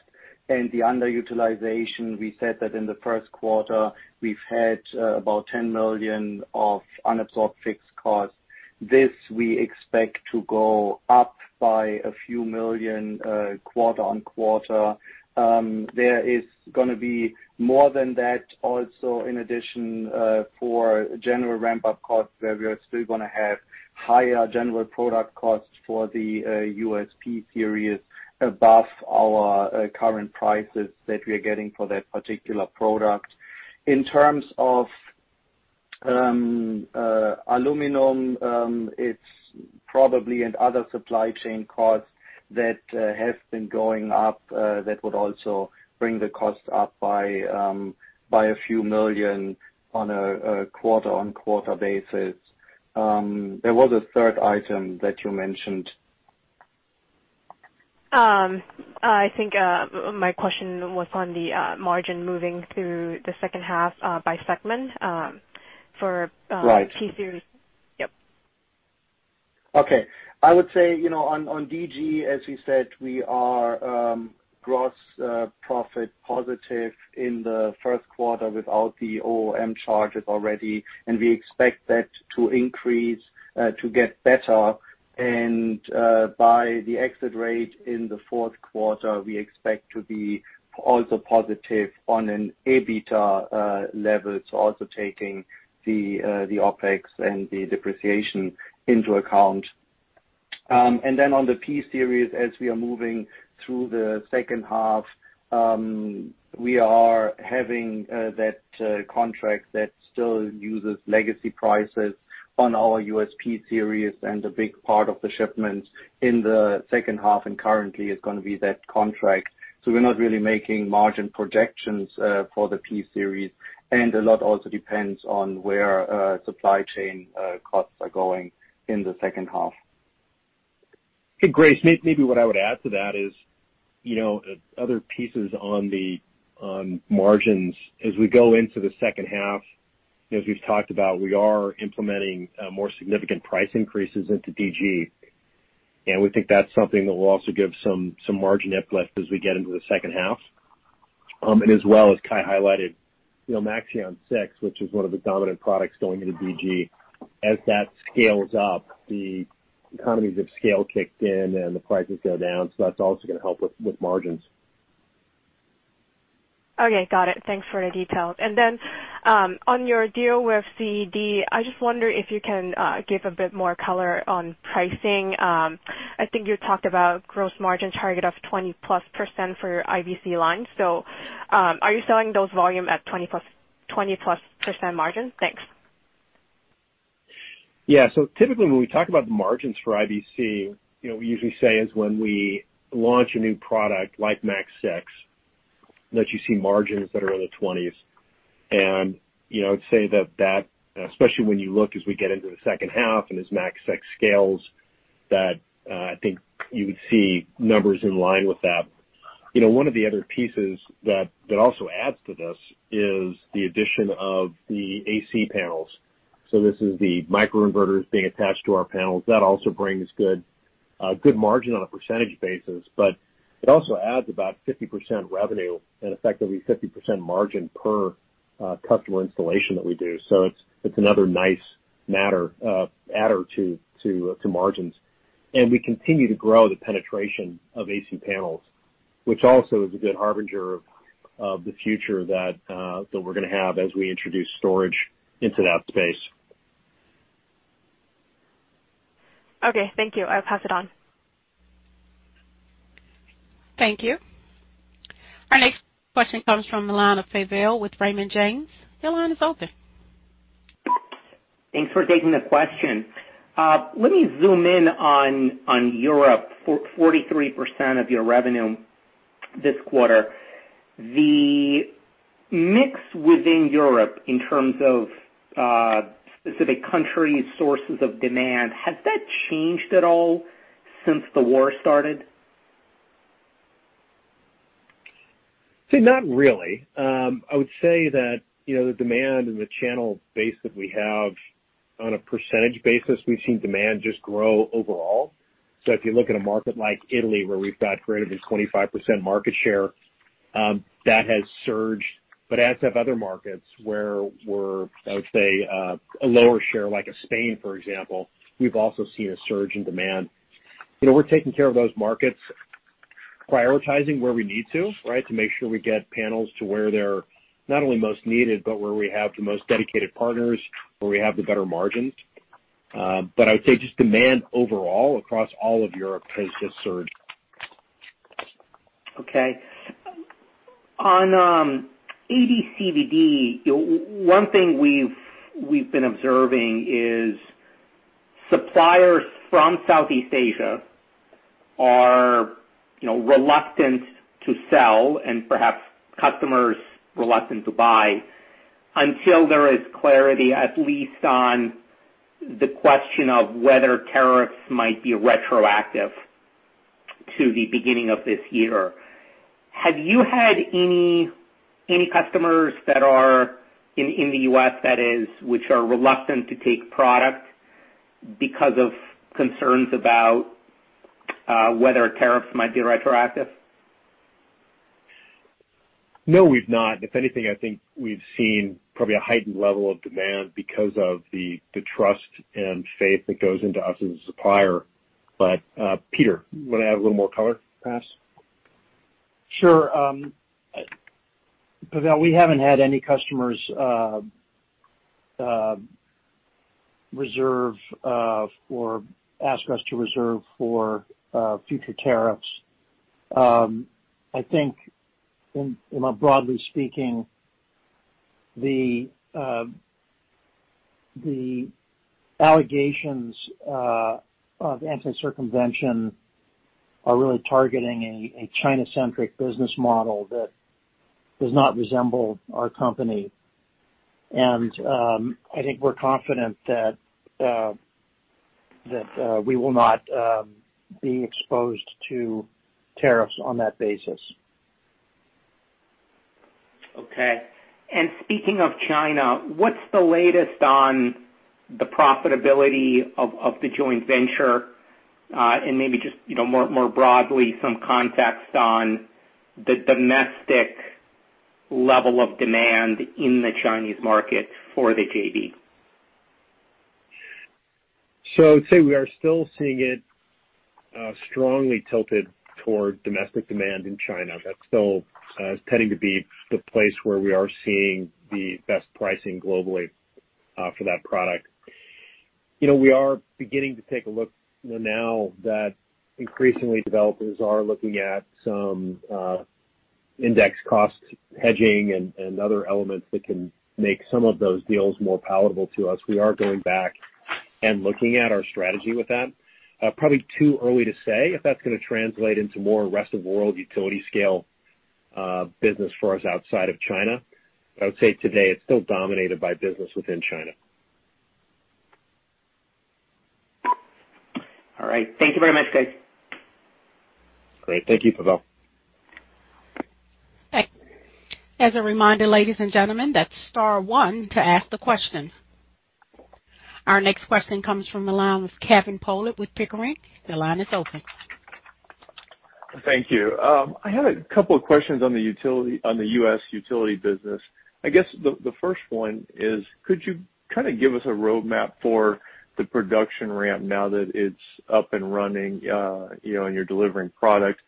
Speaker 4: and the underutilization, we said that in the first quarter we've had about $10 million of unabsorbed fixed costs. This we expect to go up by a few million quarter-over-quarter. There is gonna be more than that also in addition for general ramp-up costs where we are still gonna have higher general product costs for the P-Series above our current prices that we're getting for that particular product. In terms of aluminum, it's probably and other supply chain costs that have been going up that would also bring the cost up by a few million on a quarter-over-quarter basis. There was a third item that you mentioned.
Speaker 8: I think my question was on the margin moving through the second half by segment for
Speaker 4: Right.
Speaker 8: P-Series.
Speaker 4: Yep. Okay. I would say, you know, on DG, as we said, we are gross profit positive in the first quarter without the OOM charges already, and we expect that to increase to get better and by the exit rate in the fourth quarter we expect to be also positive on an EBITDA level, so also taking the OpEx and the depreciation into account. On the P-Series as we are moving through the second half, we are having that contract that still uses legacy prices on our P-Series and a big part of the shipments in the second half and currently is gonna be that contract. We're not really making margin projections for the P-Series and a lot also depends on where supply chain costs are going in the second half.
Speaker 3: Okay. Grace, maybe what I would add to that is, you know, other pieces on the, on margins as we go into the second half, as we've talked about, we are implementing more significant price increases into DG, and we think that's something that will also give some margin uplift as we get into the second half. As well as Kai highlighted, you know, Maxeon 6, which is one of the dominant products going into DG. As that scales up, the economies of scale kicked in and the prices go down, so that's also gonna help with margins.
Speaker 8: Okay, got it. Thanks for the details. On your deal with CED, I just wonder if you can give a bit more color on pricing. I think you talked about gross margin target of 20%+ for your IBC line. Are you selling those volume at 20%+ margin? Thanks.
Speaker 3: Yeah. Typically when we talk about margins for IBC, you know, we usually say is when we launch a new product like Maxeon 6, that you see margins that are in the 20s. You know, I'd say that, especially when you look as we get into the second half and as Maxeon 6 scales, that I think you would see numbers in line with that. You know, one of the other pieces that also adds to this is the addition of the AC panels. This is the micro inverters being attached to our panels. That also brings good margin on a percentage basis, but it also adds about 50% revenue and effectively 50% margin per customer installation that we do. It's another nice margin adder to margins. We continue to grow the penetration of AC panels, which also is a good harbinger of the future that we're gonna have as we introduce storage into that space.
Speaker 8: Okay, thank you. I'll pass it on.
Speaker 1: Thank you. Our next question comes from the line of Pavel with Raymond James. Your line is open.
Speaker 9: Thanks for taking the question. Let me zoom in on Europe. For 43% of your revenue this quarter, the mix within Europe in terms of specific countries, sources of demand, has that changed at all since the war started?
Speaker 3: See, not really. I would say that, you know, the demand and the channel base that we have on a percentage basis, we've seen demand just grow overall. If you look at a market like Italy where we've got greater than 25% market share, that has surged. As have other markets where we're, I would say, a lower share like Spain, for example, we've also seen a surge in demand. You know, we're taking care of those markets, prioritizing where we need to, right? To make sure we get panels to where they're not only most needed, but where we have the most dedicated partners, where we have the better margins. I would say just demand overall across all of Europe has just surged.
Speaker 9: Okay. On AD/CVD, one thing we've been observing is suppliers from Southeast Asia are, you know, reluctant to sell and perhaps customers reluctant to buy until there is clarity at least on the question of whether tariffs might be retroactive to the beginning of this year. Have you had any customers that are in the US, that is, which are reluctant to take product because of concerns about whether tariffs might be retroactive?
Speaker 3: No, we've not. If anything, I think we've seen probably a heightened level of demand because of the trust and faith that goes into us as a supplier. Peter, you wanna add a little more color perhaps?
Speaker 6: Sure. Pavel, we haven't had any customers ask us to reserve for future tariffs. I think, you know, broadly speaking, the allegations of anti-circumvention are really targeting a China-centric business model that does not resemble our company. I think we're confident that we will not be exposed to tariffs on that basis.
Speaker 9: Okay. Speaking of China, what's the latest on the profitability of the joint venture? Maybe just, you know, more broadly, some context on the domestic level of demand in the Chinese market for the JV.
Speaker 3: I'd say we are still seeing it strongly tilted toward domestic demand in China. That's still tending to be the place where we are seeing the best pricing globally for that product. You know, we are beginning to take a look now that increasingly developers are looking at some index cost hedging and other elements that can make some of those deals more palatable to us. We are going back and looking at our strategy with that. Probably too early to say if that's gonna translate into more rest of world utility scale business for us outside of China. I would say today it's still dominated by business within China.
Speaker 9: All right. Thank you very much, guys.
Speaker 3: Great. Thank you, Pavel.
Speaker 1: Thank you. As a reminder, ladies and gentlemen, that's star one to ask the question. Our next question comes from the line with Kevin Pollard with Pickering. Your line is open.
Speaker 10: Thank you. I had a couple of questions on the U.S. utility business. I guess the first one is, could you kind of give us a roadmap for the production ramp now that it's up and running, you know, and you're delivering product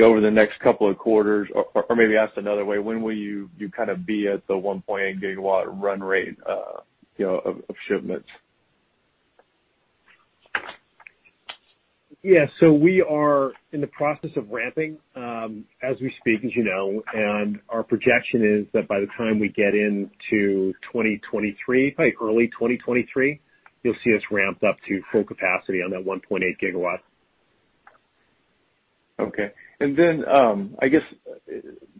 Speaker 10: over the next couple of quarters? Or maybe asked another way, when will you kind of be at the 1.8 GW run rate, you know, of shipments?
Speaker 3: Yeah. We are in the process of ramping, as we speak, as you know, and our projection is that by the time we get into 2023, probably early 2023, you'll see us ramped up to full capacity on that 1.8 GW.
Speaker 10: Okay. I guess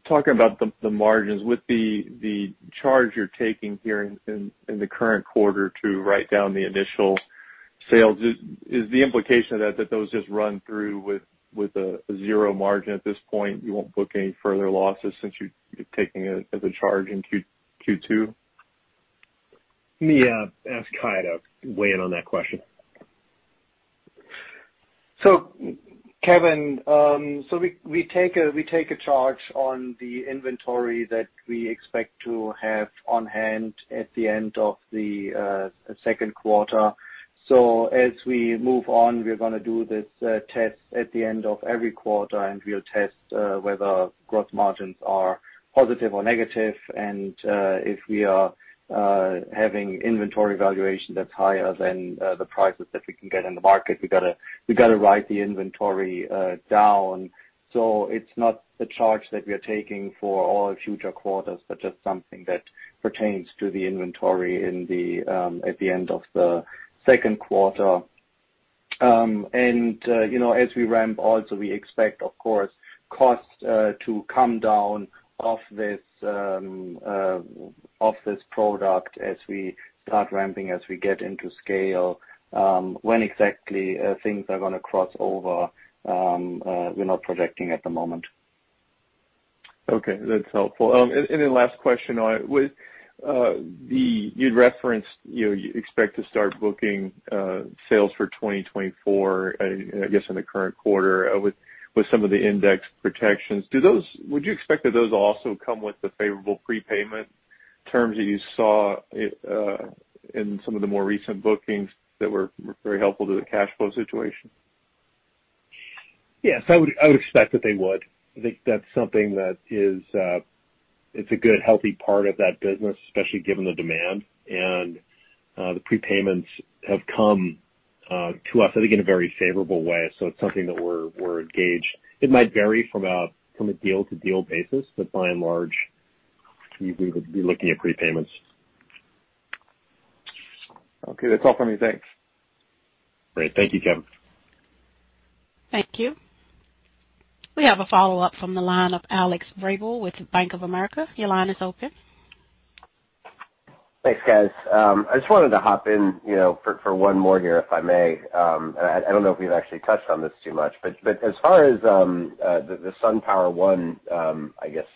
Speaker 10: talking about the margins with the charge you're taking here in the current quarter to write down the initial sales, is the implication of that those just run through with a zero margin at this point? You won't book any further losses since you're taking it as a charge in Q2?
Speaker 3: Let me ask Kai to weigh in on that question.
Speaker 4: Kevin, we take a charge on the inventory that we expect to have on hand at the end of the second quarter. As we move on, we're gonna do this test at the end of every quarter. We'll test whether gross margins are positive or negative. If we are having inventory valuation that's higher than the prices that we can get in the market, we gotta write the inventory down. It's not a charge that we are taking for all future quarters, but just something that pertains to the inventory at the end of the second quarter. You know, as we ramp also, we expect, of course, costs to come down off this product as we start ramping, as we get into scale, when exactly things are gonna cross over, we're not projecting at the moment.
Speaker 10: Okay. That's helpful. Last question on it. With the you'd referenced, you know, you expect to start booking sales for 2024, I guess in the current quarter, with some of the index protections. Do those would you expect that those also come with the favorable prepayment terms that you saw in some of the more recent bookings that were very helpful to the cash flow situation?
Speaker 3: Yes, I would expect that they would. I think that's something that is, it's a good healthy part of that business, especially given the demand and the prepayments have come to us, I think, in a very favorable way. It's something that we're engaged. It might vary from a deal-to-deal basis, but by and large, you would be looking at prepayments.
Speaker 10: Okay. That's all for me. Thanks.
Speaker 3: Great. Thank you, Kevin.
Speaker 1: Thank you. We have a follow-up from the line of Alex Vrabel with Bank of America. Your line is open.
Speaker 5: Thanks, guys. I just wanted to hop in, you know, for one more here, if I may. I don't know if you've actually touched on this too much, but as far as the SunPower One, I guess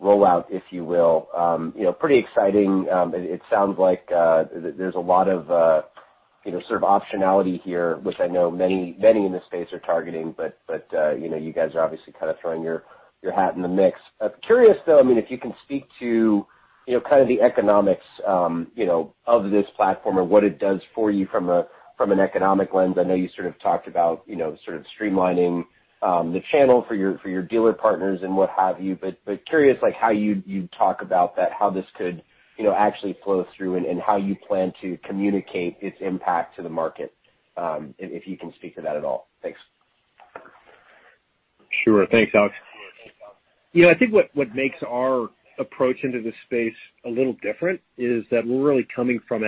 Speaker 5: rollout, if you will, you know, pretty exciting. It sounds like there's a lot of you know, sort of optionality here, which I know many in this space are targeting, but you know, you guys are obviously kind of throwing your hat in the mix. I'm curious though, I mean, if you can speak to you know, kind of the economics, you know, of this platform or what it does for you from an economic lens. I know you sort of talked about, you know, sort of streamlining, the channel for your dealer partners and what have you. Curious, like how you'd talk about that, how this could, you know, actually flow through and how you plan to communicate its impact to the market, if you can speak to that at all. Thanks.
Speaker 3: Sure. Thanks, Alex. You know, I think what makes our approach into this space a little different is that we're really coming from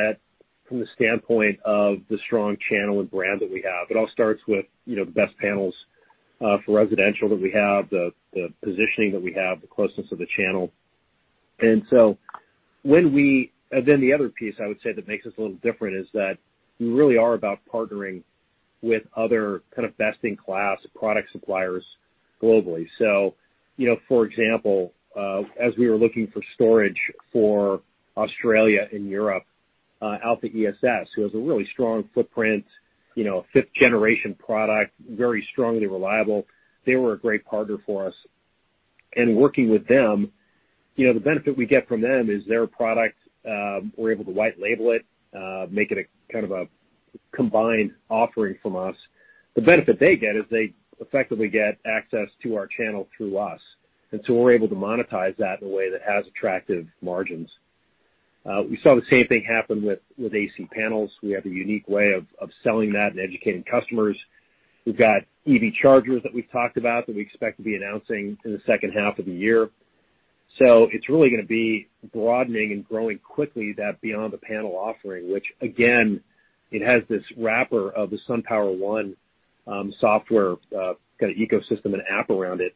Speaker 3: from the standpoint of the strong channel and brand that we have. It all starts with, you know, the best panels for residential that we have, the positioning that we have, the closeness of the channel. And then the other piece I would say that makes us a little different is that we really are about partnering with other kind of best-in-class product suppliers globally. So, you know, for example, as we were looking for storage for Australia and Europe, AlphaESS, who has a really strong footprint, you know, fifth generation product, very strong and reliable, they were a great partner for us. Working with them, you know, the benefit we get from them is their products, we're able to white label it, make it a kind of a combined offering from us. The benefit they get is they effectively get access to our channel through us, and so we're able to monetize that in a way that has attractive margins. We saw the same thing happen with AC panels. We have a unique way of selling that and educating customers. We've got EV chargers that we've talked about that we expect to be announcing in the second half of the year. It's really gonna be broadening and growing quickly that beyond the panel offering, which again, it has this wrapper of the SunPower One software, kinda ecosystem and app around it.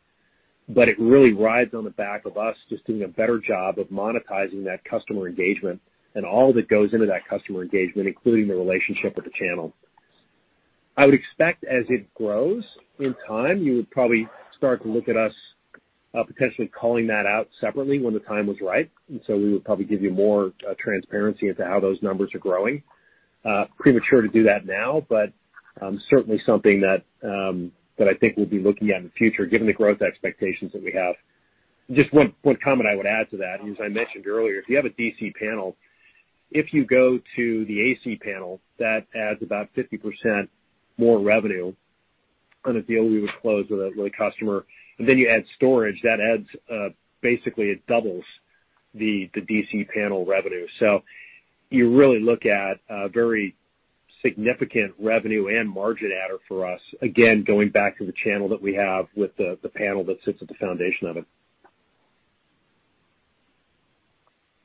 Speaker 3: It really rides on the back of us just doing a better job of monetizing that customer engagement and all that goes into that customer engagement, including the relationship with the channel. I would expect as it grows in time, you would probably start to look at us, potentially calling that out separately when the time was right. And so we would probably give you more transparency into how those numbers are growing. Premature to do that now, but certainly something that I think we'll be looking at in the future given the growth expectations that we have. Just one comment I would add to that, as I mentioned earlier, if you have a DC panel, if you go to the AC panel, that adds about 50% more revenue on a deal we would close with a customer. You add storage, that adds, basically, it doubles the DC panel revenue. You really look at a very significant revenue and margin adder for us, again, going back to the channel that we have with the panel that sits at the foundation of it.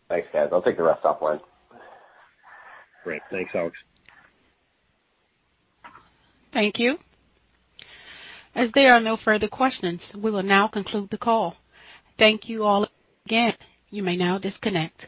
Speaker 5: Thanks, guys. I'll take the rest offline.
Speaker 3: Great. Thanks, Alex.
Speaker 1: Thank you. As there are no further questions, we will now conclude the call. Thank you all again. You may now disconnect.